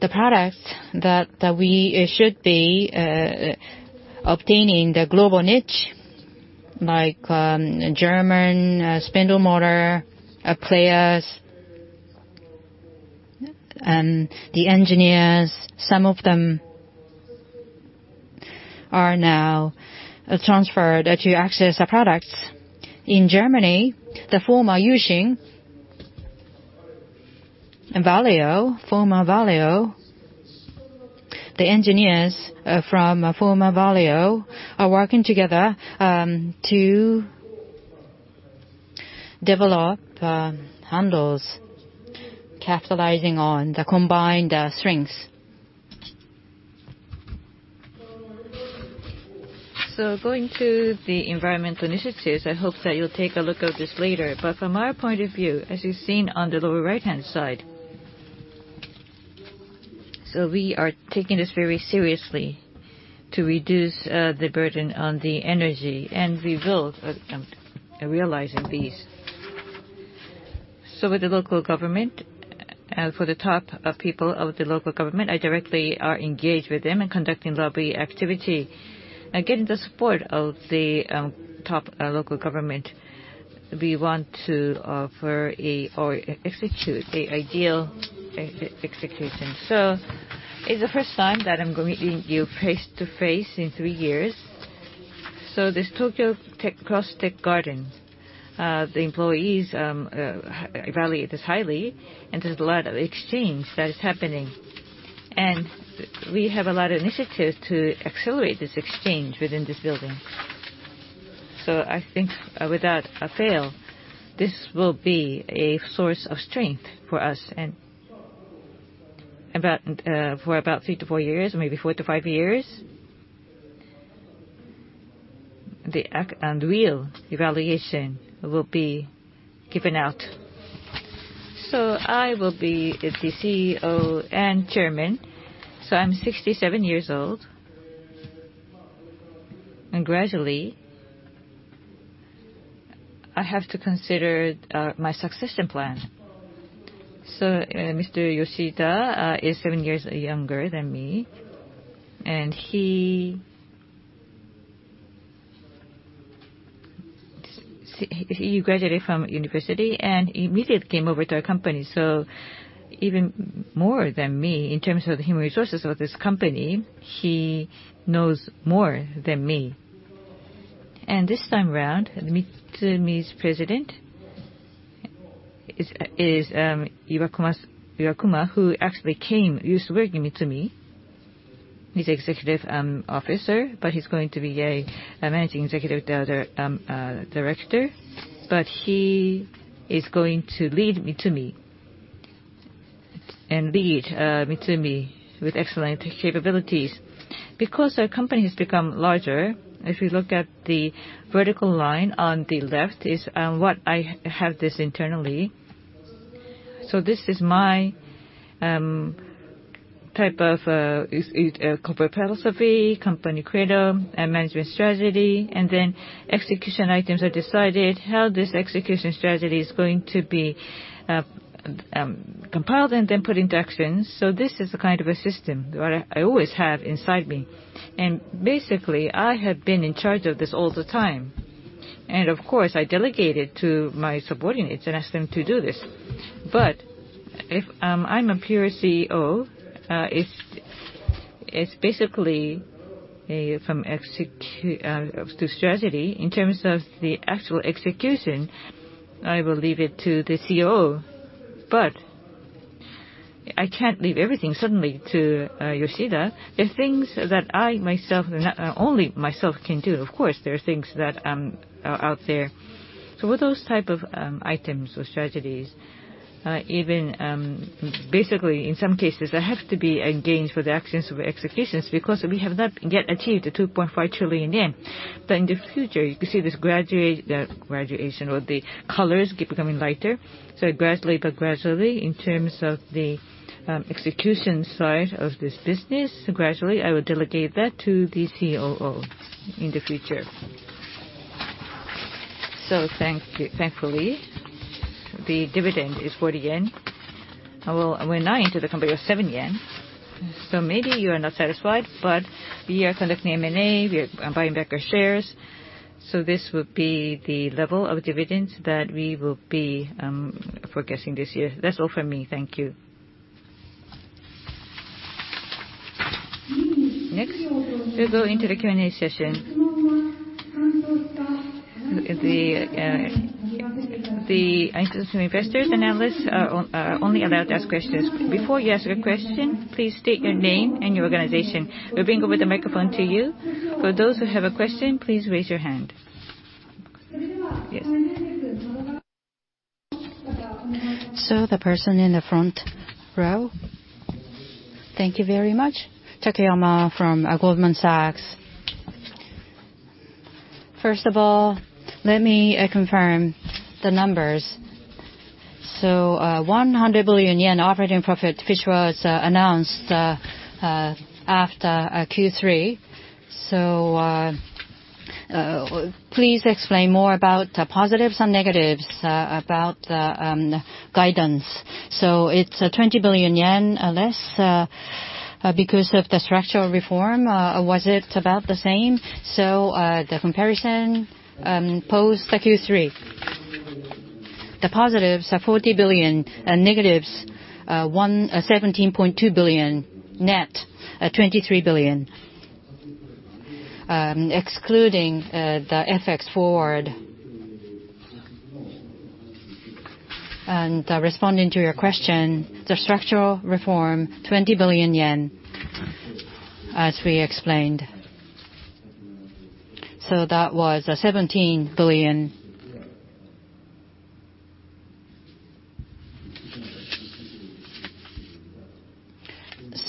The products that we should be obtaining the global niche, like German spindle motor players, and the engineers, some of them are now transferred to Access products. In Germany, the former U-Shin, Valeo, former Valeo, the engineers from former Valeo are working together to develop handles capitalizing on the combined strengths. Going to the environmental initiatives, I hope that you'll take a look at this later. From our point of view, as you've seen on the lower right-hand side, we are taking this very seriously to reduce the burden on the energy, and we will realizing these. With the local government, for the top people of the local government, I directly are engaged with them in conducting lobby activity and getting the support of the top local government. We want to offer or execute an ideal execution. It's the first time that I'm going to meet you face-to-face in three years. This Tokyo Cross Tech Garden, the employees evaluate this highly, and there's a lot of exchange that is happening. We have a lot of initiatives to accelerate this exchange within this building. I think without a fail, this will be a source of strength for us. About for about three to four years, maybe four to five years, the act and real evaluation will be given out. I will be the CEO and Chairman. I'm 67 years old. Gradually, I have to consider my succession plan. Mr. Yoshida is seven years younger than me, and he graduated from university, and he immediately came over to our company. Even more than me, in terms of the human resources of this company, he knows more than me. This time around, MITSUMI's President is Iwakuma, who actually came, used to work in MITSUMI. He's Executive Officer, but he's going to be a Managing Executive Director. He is going to lead MITSUMI, and lead MITSUMI with excellent capabilities. Our company has become larger, if you look at the vertical line on the left is what I have this internally. This is my type of corporate philosophy, company credo, and management strategy. Execution items are decided, how this execution strategy is going to be compiled and then put into action. This is the kind of a system what I always have inside me. Basically, I have been in charge of this all the time. Of course, I delegate it to my subordinates and ask them to do this. If I'm a pure CEO, it's basically from strategy. In terms of the actual execution, I will leave it to the COO. I can't leave everything suddenly to Yoshida. There are things that I, myself, only myself can do. Of course, there are things that are out there. With those type of items or strategies, even basically, in some cases, I have to be engaged for the actions of executions because we have not yet achieved the 2.5 trillion yen. In the future, you can see this graduation or the colors keep becoming lighter. Gradually, but gradually, in terms of the execution side of this business, gradually, I will delegate that to the COO in the future. Thank you. Thankfully, the dividend is 40 yen. Well, we're now into the company of 7 yen. Maybe you are not satisfied, but we are conducting M&A. We are buying back our shares. This would be the level of dividends that we will be forecasting this year. That's all from me. Thank you. Next, we'll go into the Q&A session. The, the institutional investors and analysts are only allowed to ask questions. Before you ask a question, please state your name and your organization. We'll bring over the microphone to you. For those who have a question, please raise your hand. Yes. The person in the front row. Thank you very much. Takayama from Goldman Sachs. First of all, let me confirm the numbers. 100 billion yen operating profit, which was announced after Q3. Please explain more about the positives and negatives about the guidance. It's 20 billion yen less because of the structural reform. Was it about the same? The comparison post the Q3. The positives are 40 billion, and negatives 17.2 billion, net 23 billion, excluding the FX forward. Responding to your question, the structural reform, 20 billion yen, as we explained. That was JPY 17 billion.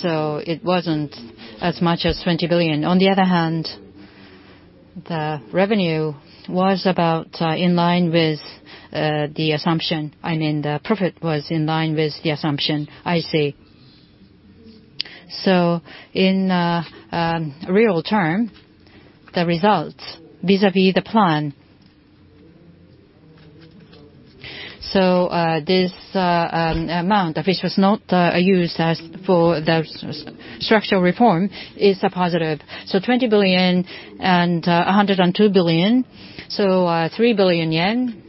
It wasn't as much as 20 billion. On the other hand, the revenue was about in line with the assumption. I mean, the profit was in line with the assumption. I see. In real term, the results vis-à-vis the plan. This amount which was not used for the structural reform is a positive. 20 billion and 102 billion, 3 billion yen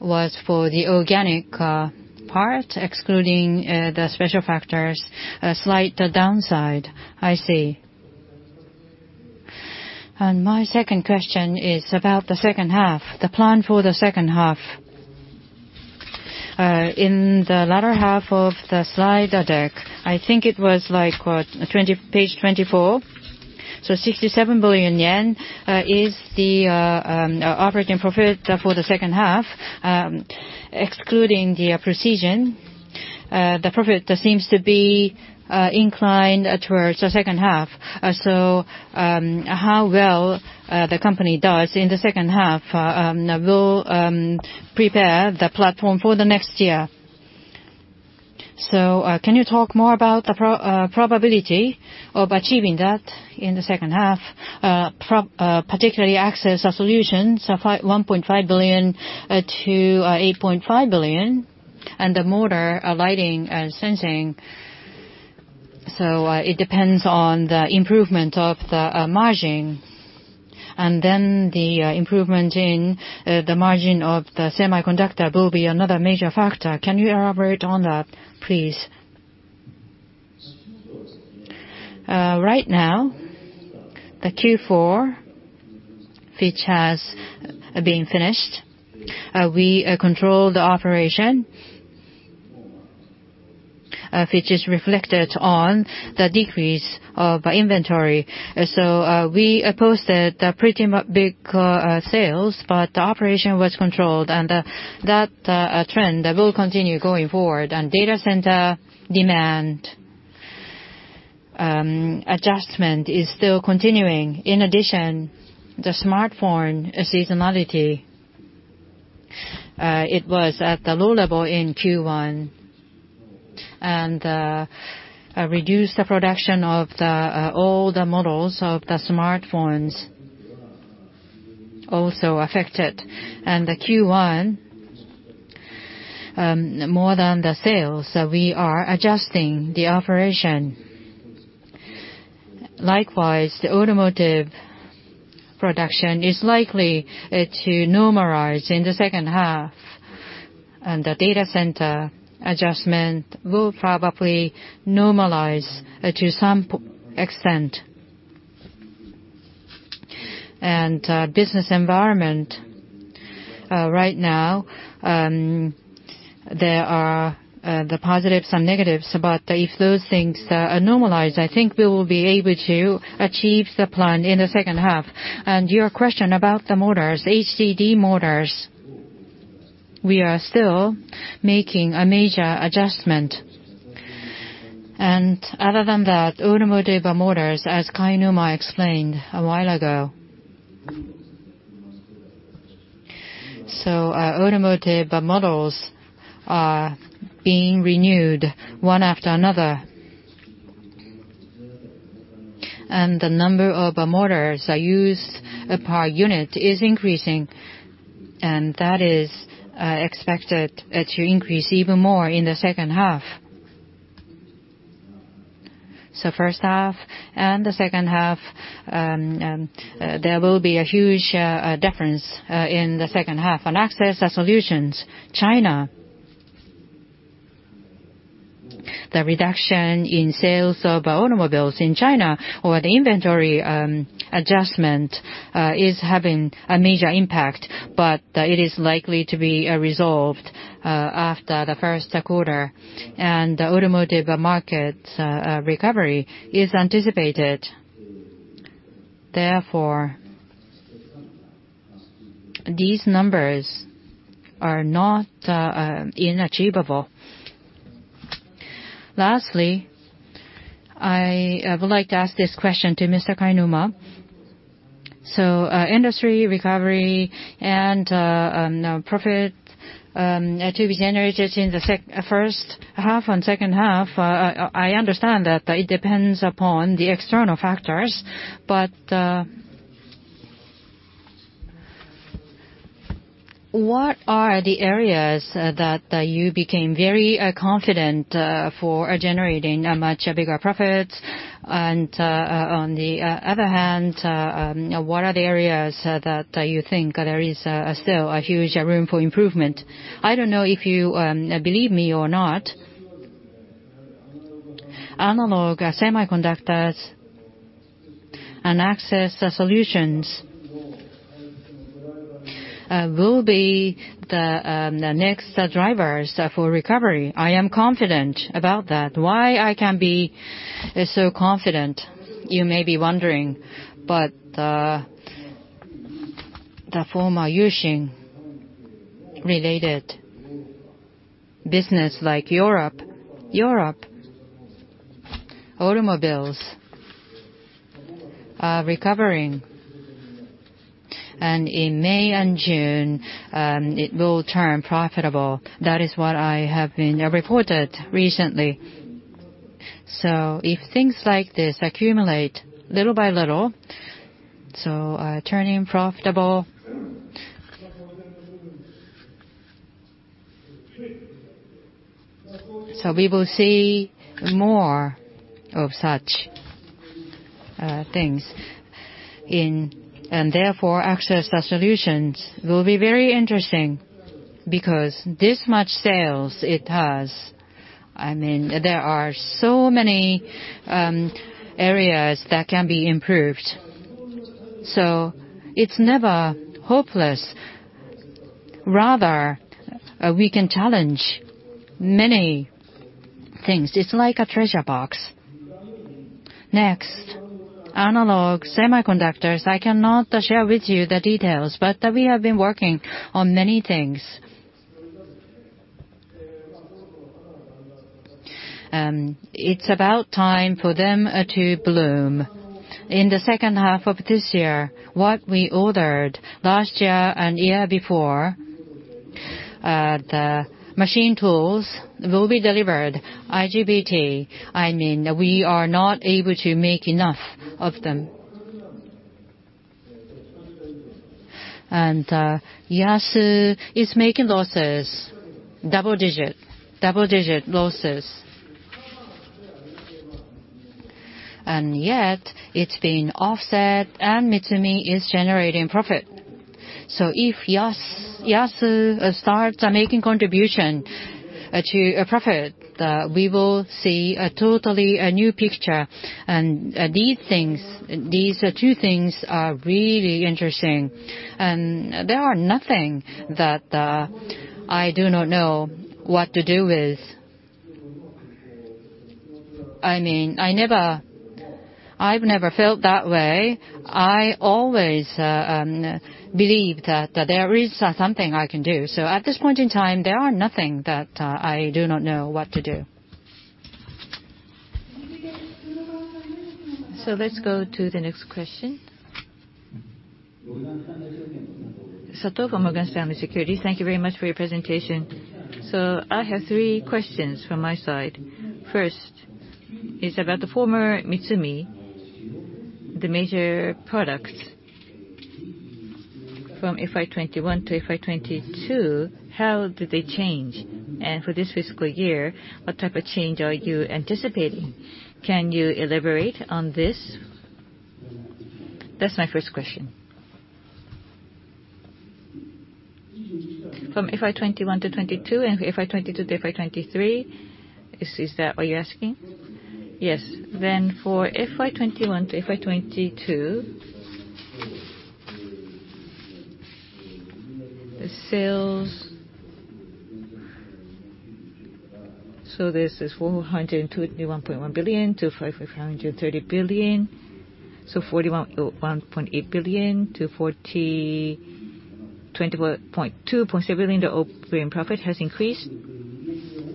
was for the organic part, excluding the special factors, a slight downside. I see. My second question is about the second half, the plan for the second half. In the latter half of the slide deck, I think it was like, what, page 24. 67 billion yen is the operating profit for the second half, excluding the Precision. The profit seems to be inclined towards the second half. How well the company does in the second half will prepare the platform for the next year. Can you talk more about the probability of achieving that in the second half? Particularly Access Solutions, 1.5 billion to 8.5 billion, and the Motor, Lighting & Sensing. It depends on the improvement of the margin, and then the improvement in the margin of the semiconductor will be another major factor. Can you elaborate on that, please? Right now, the Q4, which has been finished, we control the operation, which is reflected on the decrease of inventory. We posted a pretty big sales, but the operation was controlled, that trend will continue going forward. Data center demand adjustment is still continuing. In addition, the smartphone seasonality, it was at the low level in Q1, reduced the production of the older models of the smartphones also affected. The Q1, more than the sales, we are adjusting the operation. Likewise, the automotive production is likely to normalize in the second half. The data center adjustment will probably normalize to some extent. Business environment, right now, there are the positives and negatives, but if those things normalize, I think we will be able to achieve the plan in the second half. Your question about the motors, HDD motors, we are still making a major adjustment. Other than that, automotive motors, as Kainuma explained a while ago. Automotive models are being renewed one after another. The number of motors used per unit is increasing, and that is expected to increase even more in the second half. First half and the second half, there will be a huge difference in the second half. On Access Solutions, China, the reduction in sales of automobiles in China or the inventory adjustment is having a major impact. It is likely to be resolved after the first quarter. The automotive market recovery is anticipated. Therefore, these numbers are not unachievable. Lastly, I would like to ask this question to Mr. Kainuma. Industry recovery and profit to be generated in the first half and second half, I understand that it depends upon the external factors, but what are the areas that you became very confident for generating a much bigger profit? On the other hand, what are the areas that you think there is still a huge room for improvement? I don't know if you believe me or not. Analog semiconductors and Access Solutions will be the next drivers for recovery. I am confident about that. Why I can be so confident, you may be wondering? The former U-Shin-related business like Europe automobiles are recovering. In May and June, it will turn profitable. That is what I have been reported recently. If things like this accumulate little by little, turning profitable. We will see more of such things in. Therefore, Minebea AccessSolutions will be very interesting because this much sales it has. I mean, there are so many areas that can be improved. It's never hopeless. Rather, we can challenge many things. It's like a treasure box. Next, analog semiconductors, I cannot share with you the details, but we have been working on many things. It's about time for them to bloom. In the second half of this year, what we ordered last year and year before, the machine tools will be delivered. IGBT, I mean, we are not able to make enough of them. Yasugi is making double-digit losses. Yet it's being offset and MITSUMI is generating profit. If Yasugi starts making contribution to profit, we will see a totally new picture. These two things are really interesting. There are nothing that I do not know what to do with. I mean, I've never felt that way. I always believe that there is something I can do. At this point in time, there are nothing that I do not know what to do. Let's go to the next question. Sato from Morgan Stanley Securities. Thank you very much for your presentation. I have three questions from my side. First is about the former MITSUMI, the major products from FY 2021 to FY 2022, how did they change? For this fiscal year, what type of change are you anticipating? Can you elaborate on this? That's my first question. From FY 2021 to 2022 and FY 2022 to FY 2023, is that what you're asking? Yes. For FY 2021 to FY 2022, the sales, this is 421.1 billion to 530 billion. 41.8 billion to 4,021.27 billion, the operating profit has increased.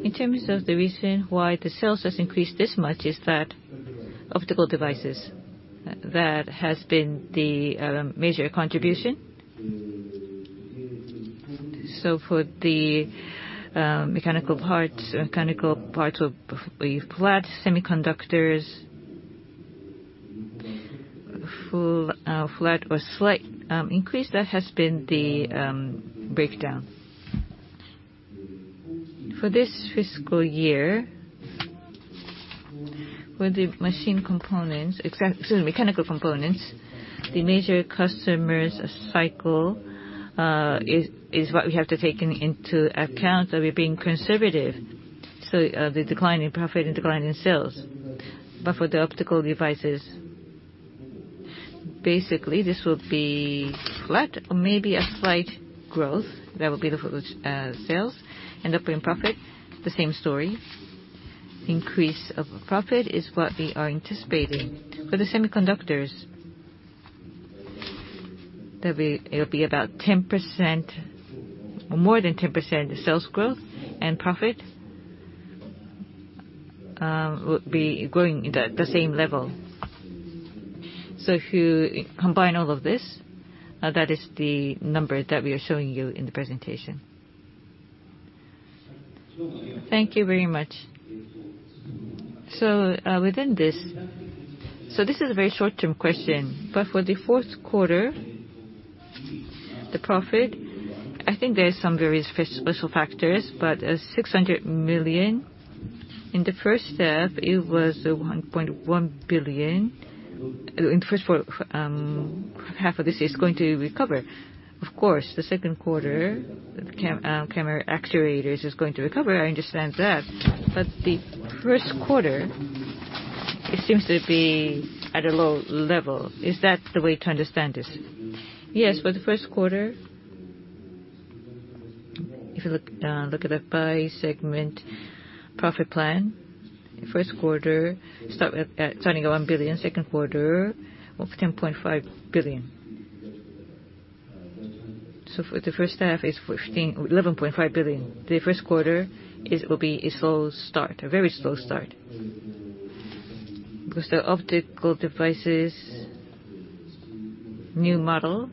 In terms of the reason why the sales has increased this much is that optical devices, that has been the major contribution. For the mechanical parts of the flat semiconductors. Full flat or slight increase, that has been the breakdown. For this fiscal year, for the mechanical components, the major customer's cycle is what we have to take into account that we're being conservative. The decline in profit and decline in sales. For the optical devices, basically this will be flat or maybe a slight growth. That would be the for sales. Operating profit, the same story. Increase of profit is what we are anticipating. For the semiconductors, it'll be about 10% or more than 10% sales growth, and profit will be growing at the same level. If you combine all of this, that is the number that we are showing you in the presentation. Thank you very much. This is a very short-term question, but for the fourth quarter, the profit, I think there is some very special factors, but 600 million. In the first half, it was 1.1 billion. In the first four... half of this is going to recover. Of course, the second quarter, camera actuators is going to recover, I understand that. The first quarter, it seems to be at a low level. Is that the way to understand this? Yes. For the first quarter, if you look at it by segment, profit plan, first quarter start with, starting at 1 billion, second quarter, 10.5 billion. For the first half, it's 11.5 billion. The first quarter will be a slow start, a very slow start. The optical devices' new model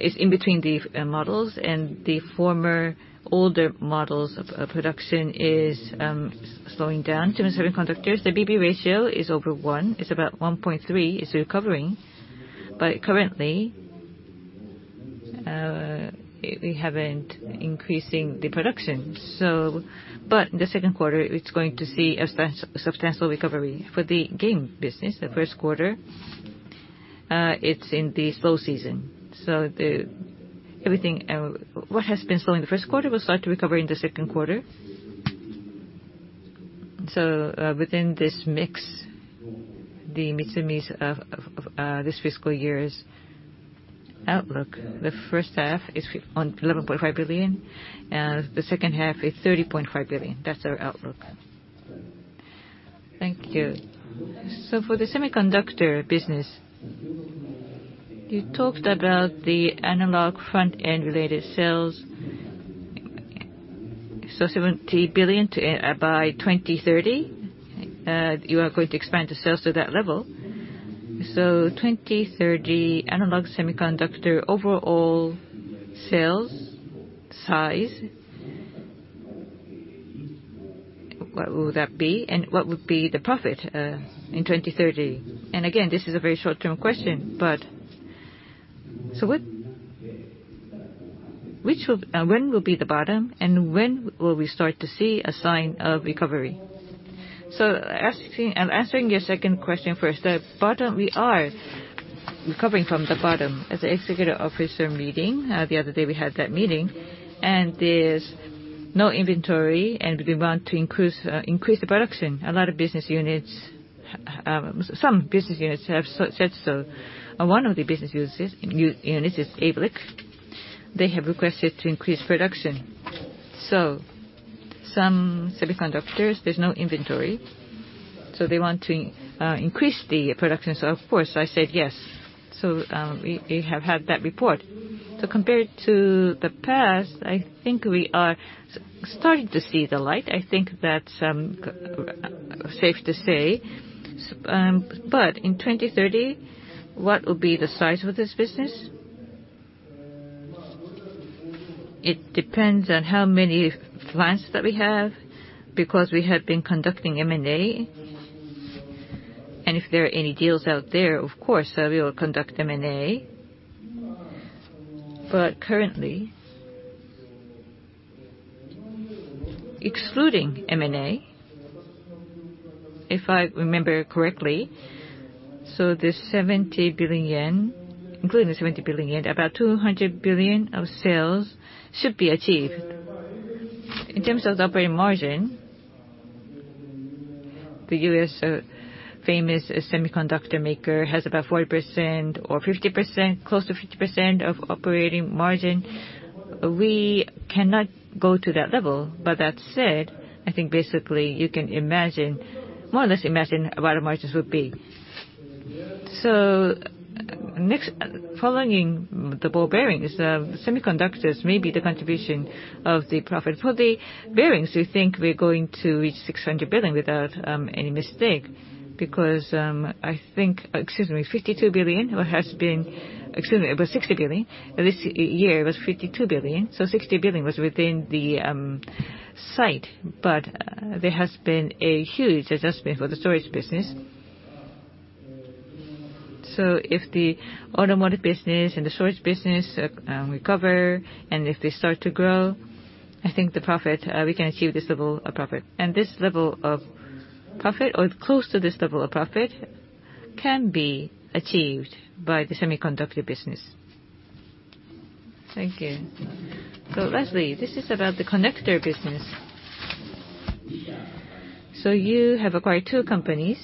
is in between the models and the former older models of production is slowing down. Semiconductors, the B/B ratio is over one. It's about 1.3. It's recovering. Currently, we haven't increasing the production. In the second quarter, it's going to see a substantial recovery. For the game business, the first quarter, it's in the slow season. Everything what has been slow in the first quarter will start to recover in the second quarter. Within this mix, the MITSUMI's of this fiscal year's outlook, the first half is on 11.5 billion, and the second half is 30.5 billion. That's our outlook. Thank you. For the semiconductor business, you talked about the analog front-end related sales. 70 billion to, by 2030, you are going to expand the sales to that level. 2020, 2030, analog semiconductor overall sales size, what will that be? What would be the profit in 2030? Again, this is a very short-term question, but when will be the bottom, and when will we start to see a sign of recovery? I'm answering your second question first. The bottom, we are recovering from the bottom. At the executive officer meeting, the other day we had that meeting, and there's no inventory, and we want to increase the production. A lot of business units, some business units have said so. One of the business units is ABLIC. They have requested to increase production. Some semiconductors, there's no inventory, they want to increase the production. Of course, I said yes. We, we have had that report. Compared to the past, I think we are starting to see the light. I think that's safe to say. In 2030, what will be the size of this business? It depends on how many funds that we have, because we have been conducting M&A. If there are any deals out there, of course, we will conduct M&A. Currently, excluding M&A, if I remember correctly, the 70 billion yen, including the 70 billion yen, about 200 billion of sales should be achieved. In terms of the operating margin, the U.S., famous semiconductor maker has about 40% or 50%, close to 50% of operating margin. We cannot go to that level. That said, you can imagine what our margins would be. Next, following the ball bearings, the Semiconductors may be the contribution of the profit. For the bearings, we think we're going to reach 600 billion without any mistake, because 52 billion has been. It was 60 billion. This year, it was 52 billion. 60 billion was within the sight. There has been a huge adjustment for the storage business. If the automotive business and the storage business recover, and if they start to grow, I think the profit, we can achieve this level of profit. This level of profit, or close to this level of profit, can be achieved by the Semiconductor business. Thank you. Lastly, this is about the connector business. You have acquired two companies.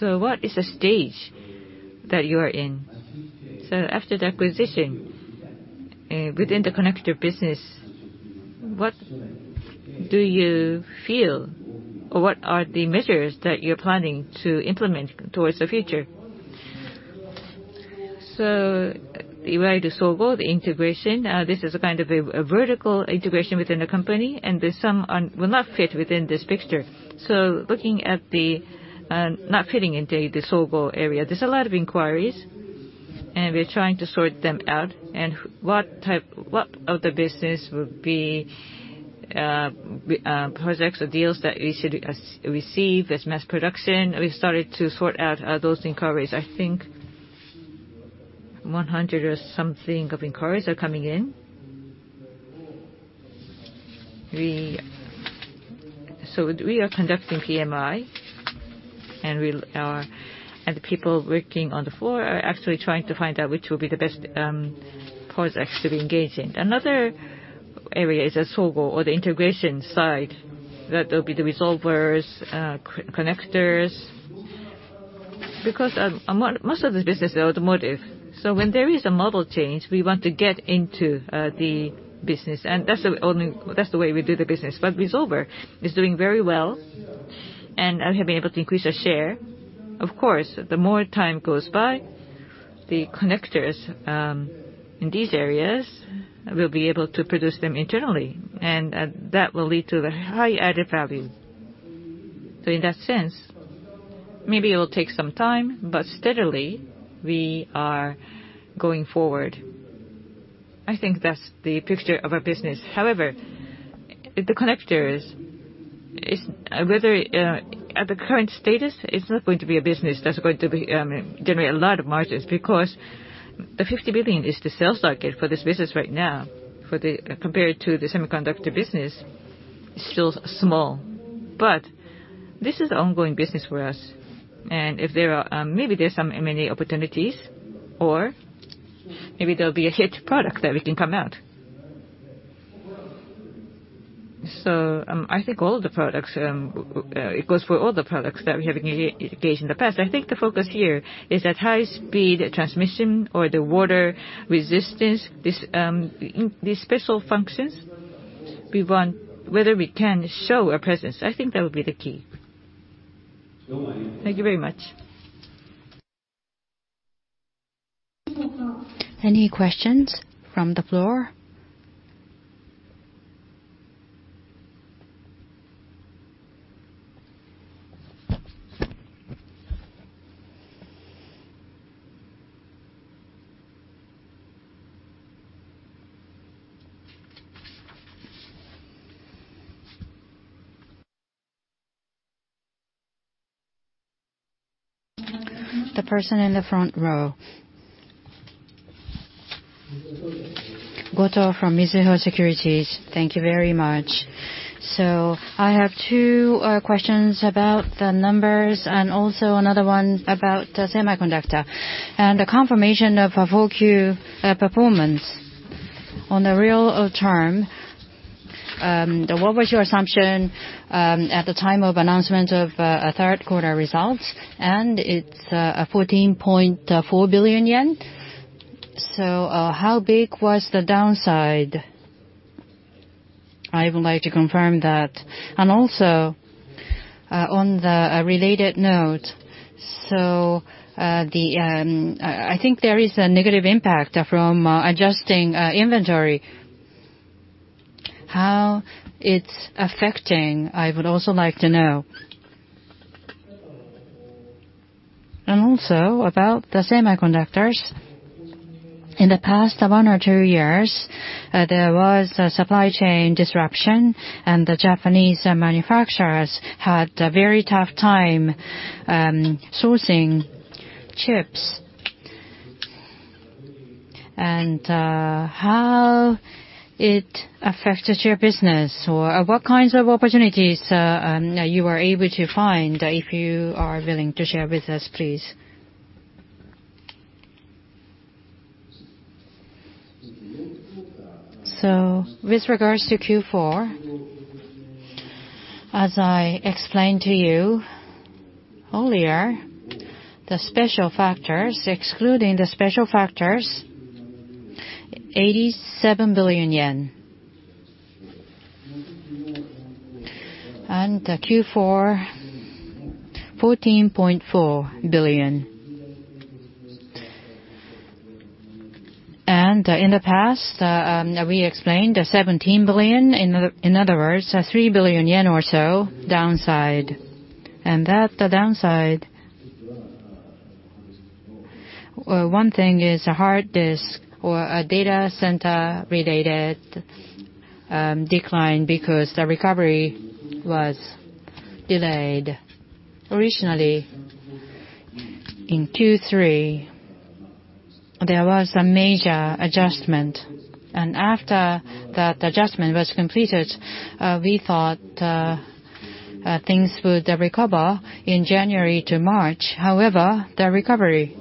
What is the stage that you are in? After the acquisition, within the connector business, what do you feel, or what are the measures that you're planning to implement towards the future? Regarding the SOGO, the integration, this is a kind of a vertical integration within the company, and there's some will not fit within this picture. Looking at the not fitting into the SOGO area, there's a lot of inquiries and we're trying to sort them out. What other business would be projects or deals that we should receive as mass production. We started to sort out those inquiries. I think 100 or something of inquiries are coming in. We... We are conducting PMI, and the people working on the floor are actually trying to find out which will be the best projects to be engaged in. Another area is the SOGO or the integration side, that there'll be the Resolvers, connectors. Because most of the business is automotive, so when there is a model change, we want to get into the business. That's the only way we do the business. Resolver is doing very well, and have been able to increase our share. Of course, the more time goes by, the connectors, in these areas, we'll be able to produce them internally, and that will lead to the high added value. In that sense, maybe it'll take some time, but steadily we are going forward. I think that's the picture of our business. However, the connectors is whether, at the current status, it's not going to be a business that's going to be, generate a lot of margins because the 50 billion is the sales target for this business right now, compared to the semiconductor business, it's still small. This is ongoing business for us. If there are, maybe there's some M&A opportunities or maybe there'll be a hit product that we can come out. I think all the products, it goes for all the products that we have engaged in the past. I think the focus here is that high-speed transmission or the water resistance, this, these special functions we want, whether we can show a presence. I think that would be the key. Thank you very much. Any questions from the floor? The person in the front row. Goto from Mizuho Securities. Thank you very much. I have two questions about the numbers and also another one about the semiconductor. The confirmation of full Q performance on the real term, what was your assumption at the time of announcement of a third quarter results? It's 14.4 billion yen. How big was the downside? I would like to confirm that. Also, on the related note, I think there is a negative impact from adjusting inventory. How it's affecting, I would also like to know. Also about the semiconductors. In the past one or two years, there was a supply chain disruption, and the Japanese manufacturers had a very tough time, sourcing chips. How it affected your business, or what kinds of opportunities, you were able to find, if you are willing to share with us, please? With regards to Q4, as I explained to you earlier, the special factors, excluding the special factors, JPY 87 billion. Q4, JPY 14.4 billion. In the past, we explained 17 billion, in other words, 3 billion yen or so downside. That, the downside. One thing is a hard disk or a data center related decline because the recovery was delayed. Originally, in Q3, there was a major adjustment, and after that adjustment was completed, we thought things would recover in January to March. However, the recovery,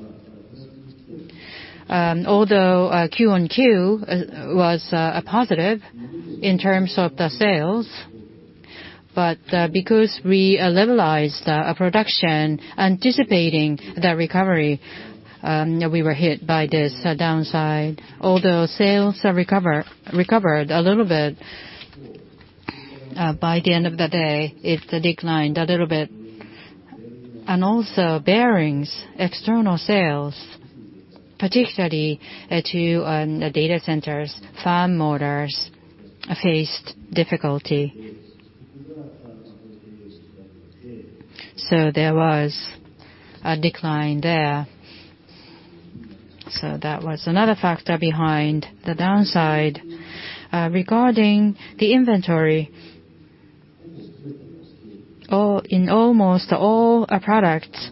although Q-on-Q was positive in terms of the sales, but because we levelized production anticipating the recovery, we were hit by this downside. Although sales recovered a little bit by the end of the day, it declined a little bit. Also bearings, external sales, particularly to the data centers, fan motors, faced difficulty. There was a decline there. That was another factor behind the downside. Regarding the inventory, in almost all our products,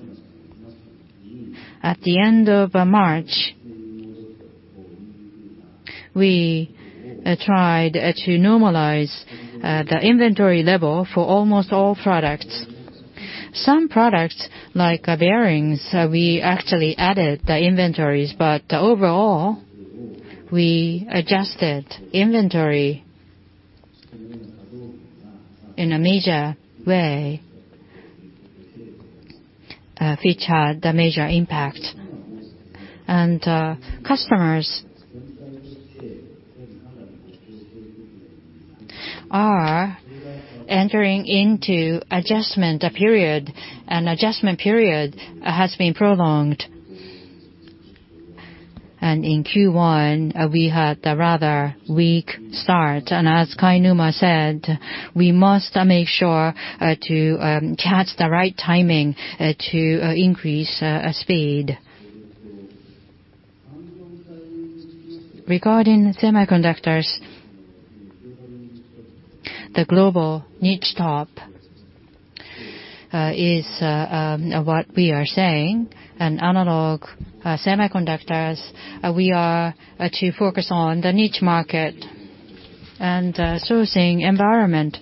at the end of March, we tried to normalize the inventory level for almost all products. Some products, like our bearings, we actually added the inventories, but overall, we adjusted inventory in a major way, which had a major impact. Customers are entering into adjustment period, and adjustment period has been prolonged. In Q1, we had a rather weak start. As Kainuma said, we must make sure to catch the right timing to increase speed. Regarding semiconductors, the global niche top is what we are saying. Analog semiconductors, we are to focus on the niche market and sourcing environment.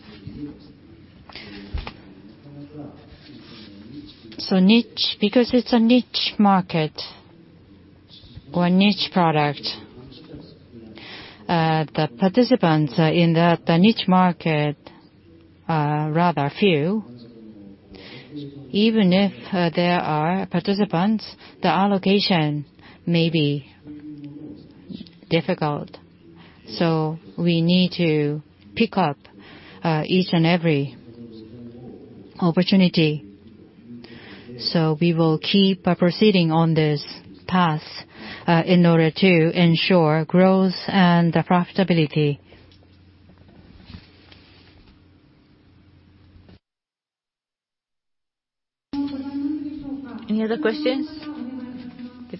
Because it's a niche market or a niche product, the participants in the niche market are rather few. Even if there are participants, the allocation may be difficult. We need to pick up each and every opportunity. We will keep proceeding on this path in order to ensure growth and profitability. Any other questions? The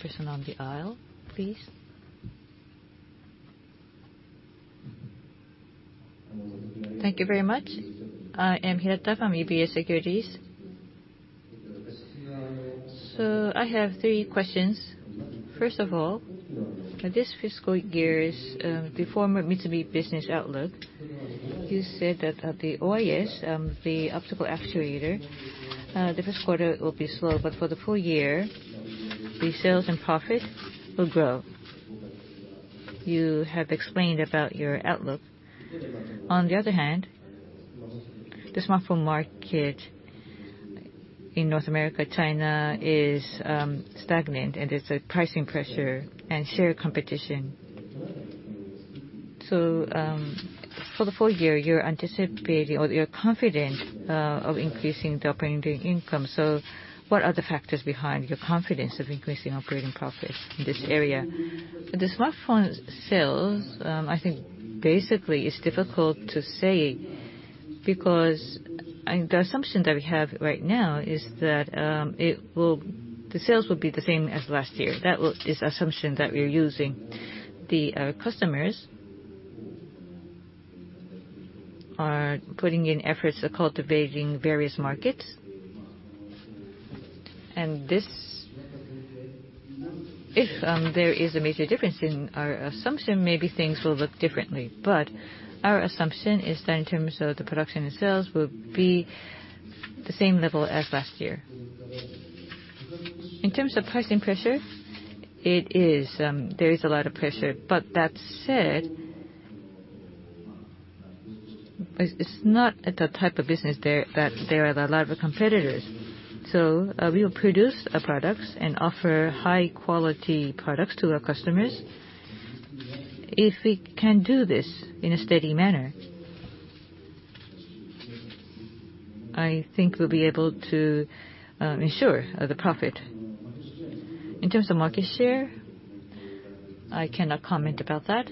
person on the aisle, please. Thank you very much. I am Hirata from UBS Securities. I have three questions. First of all, this fiscal year is the former MITSUMI business outlook. You said that the OIS, the optical actuator, the first quarter will be slow, but for the full year, the sales and profit will grow. You have explained about your outlook. On the other hand, the smartphone market in North America, China is stagnant, and there's a pricing pressure and share competition. For the full year, you're anticipating or you're confident of increasing the operating income. What are the factors behind your confidence of increasing operating profit in this area? The smartphone sales, I think basically it's difficult to say because the assumption that we have right now is that the sales will be the same as last year. That is the assumption that we're using. The customers are putting in efforts cultivating various markets. This, if there is a major difference in our assumption, maybe things will look differently. Our assumption is that in terms of the production and sales will be the same level as last year. In terms of pricing pressure, it is there is a lot of pressure. That said, it's not the type of business there that there are a lot of competitors. We will produce our products and offer high quality products to our customers. If we can do this in a steady manner, I think we'll be able to ensure the profit. In terms of market share, I cannot comment about that.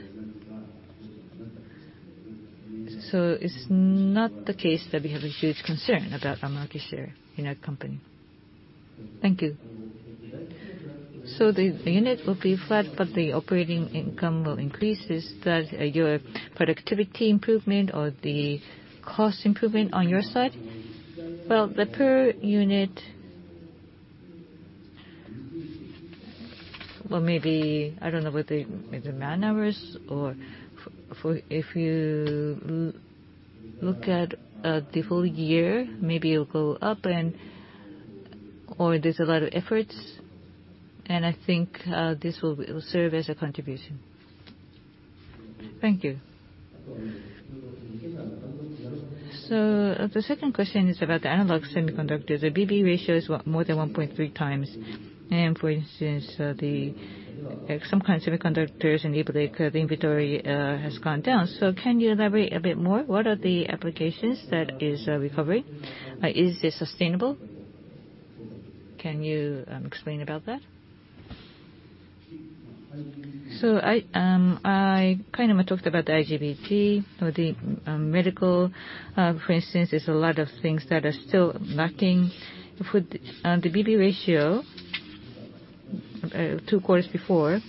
It's not the case that we have a huge concern about our market share in our company. Thank you. The unit will be flat, but the operating income will increase. Is that your productivity improvement or the cost improvement on your side? Well, the per unit... Well, maybe, I don't know whether it's man-hours or if you look at the full year, maybe it'll go up and... There's a lot of efforts, and I think this will serve as a contribution. Thank you. The second question is about the analog semiconductors. The B/B ratio is what? More than 1.3x. For instance, like, some kind of semiconductors enable the inventory has gone down. Can you elaborate a bit more? What are the applications that is recovering? Is this sustainable? Can you explain about that? I kind of talked about the IGBT or the medical. For instance, there's a lot of things that are still lacking. On the B/B ratio, two quarters before,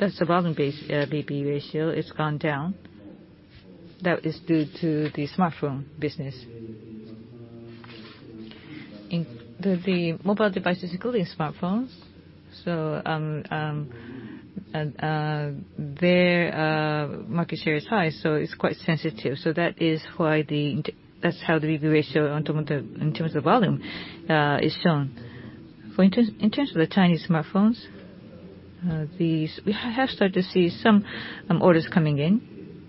that's the volume-based B/B ratio, it's gone down. That is due to the smartphone business. In the mobile devices, including smartphones. Their market share is high, so it's quite sensitive. That is why that's how the B/B ratio on term of the, in terms of volume, is shown. In terms of the Chinese smartphones, these, we have started to see some orders coming in,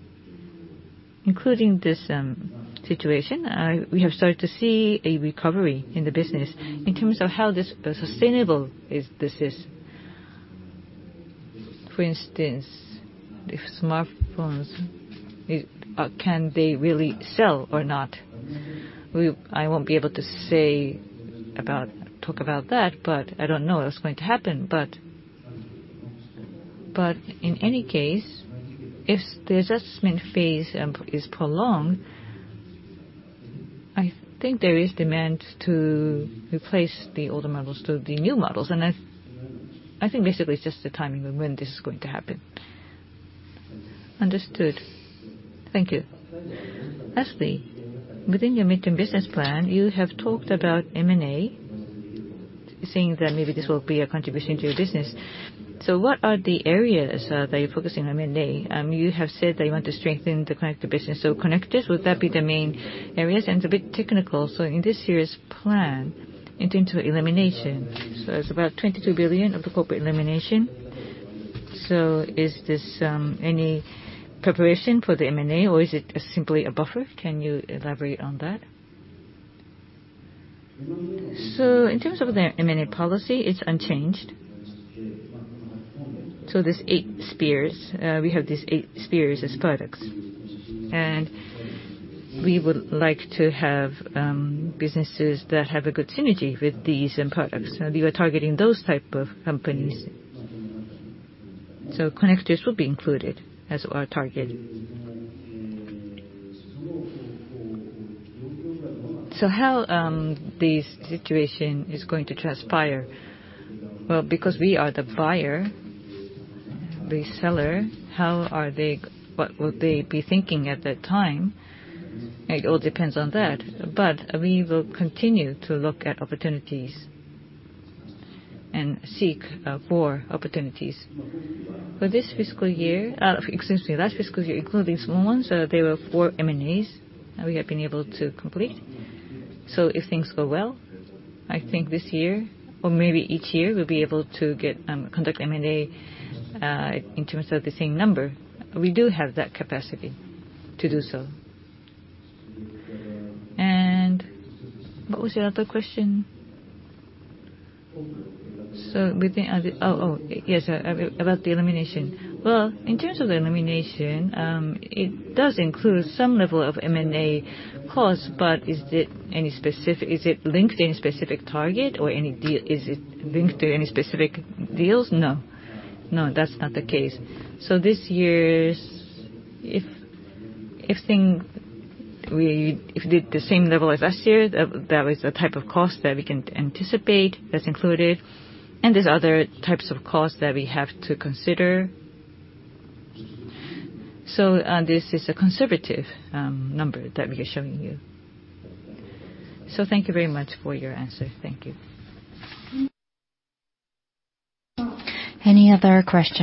including this situation. We have started to see a recovery in the business. In terms of how this sustainable is, this is, for instance, if smartphones, can they really sell or not? I won't be able to say about, talk about that, but I don't know what's going to happen. But in any case, if the adjustment phase is prolonged, I think there is demand to replace the older models to the new models. I think basically it's just the timing of when this is going to happen. Understood. Thank you. Lastly, within your midterm business plan, you have talked about M&A, saying that maybe this will be a contribution to your business. What are the areas that you're focusing on M&A? You have said that you want to strengthen the connector business. Connectors, would that be the main areas? It's a bit technical. In this year's plan in terms of elimination, so it's about 22 billion of the corporate elimination. Is this any preparation for the M&A or is it simply a buffer? Can you elaborate on that? In terms of the M&A policy, it's unchanged. There's Eight Spears. We have these Eight Spears as products. We would like to have businesses that have a good synergy with these end products, and we are targeting those type of companies. Connectors will be included as our target. How this situation is going to transpire? Well, because we are the buyer, the seller, what will they be thinking at that time? It all depends on that. We will continue to look at opportunities and seek more opportunities. For this fiscal year, excuse me, last fiscal year, including small ones, there were 4 M&As, we have been able to complete. If things go well, I think this year or maybe each year we'll be able to get, conduct M&A, in terms of the same number. We do have that capacity to do so. What was your other question? Within... Oh, yes, about the elimination. Well, in terms of the elimination, it does include some level of M&A costs, but is it any specific, is it linked to any specific target or any deal? Is it linked to any specific deals? No. No, that's not the case. This year's, if the same level as last year, that is the type of cost that we can anticipate that's included, and there's other types of costs that we have to consider. This is a conservative number that we are showing you. Thank you very much for your answer. Thank you. Any other questions?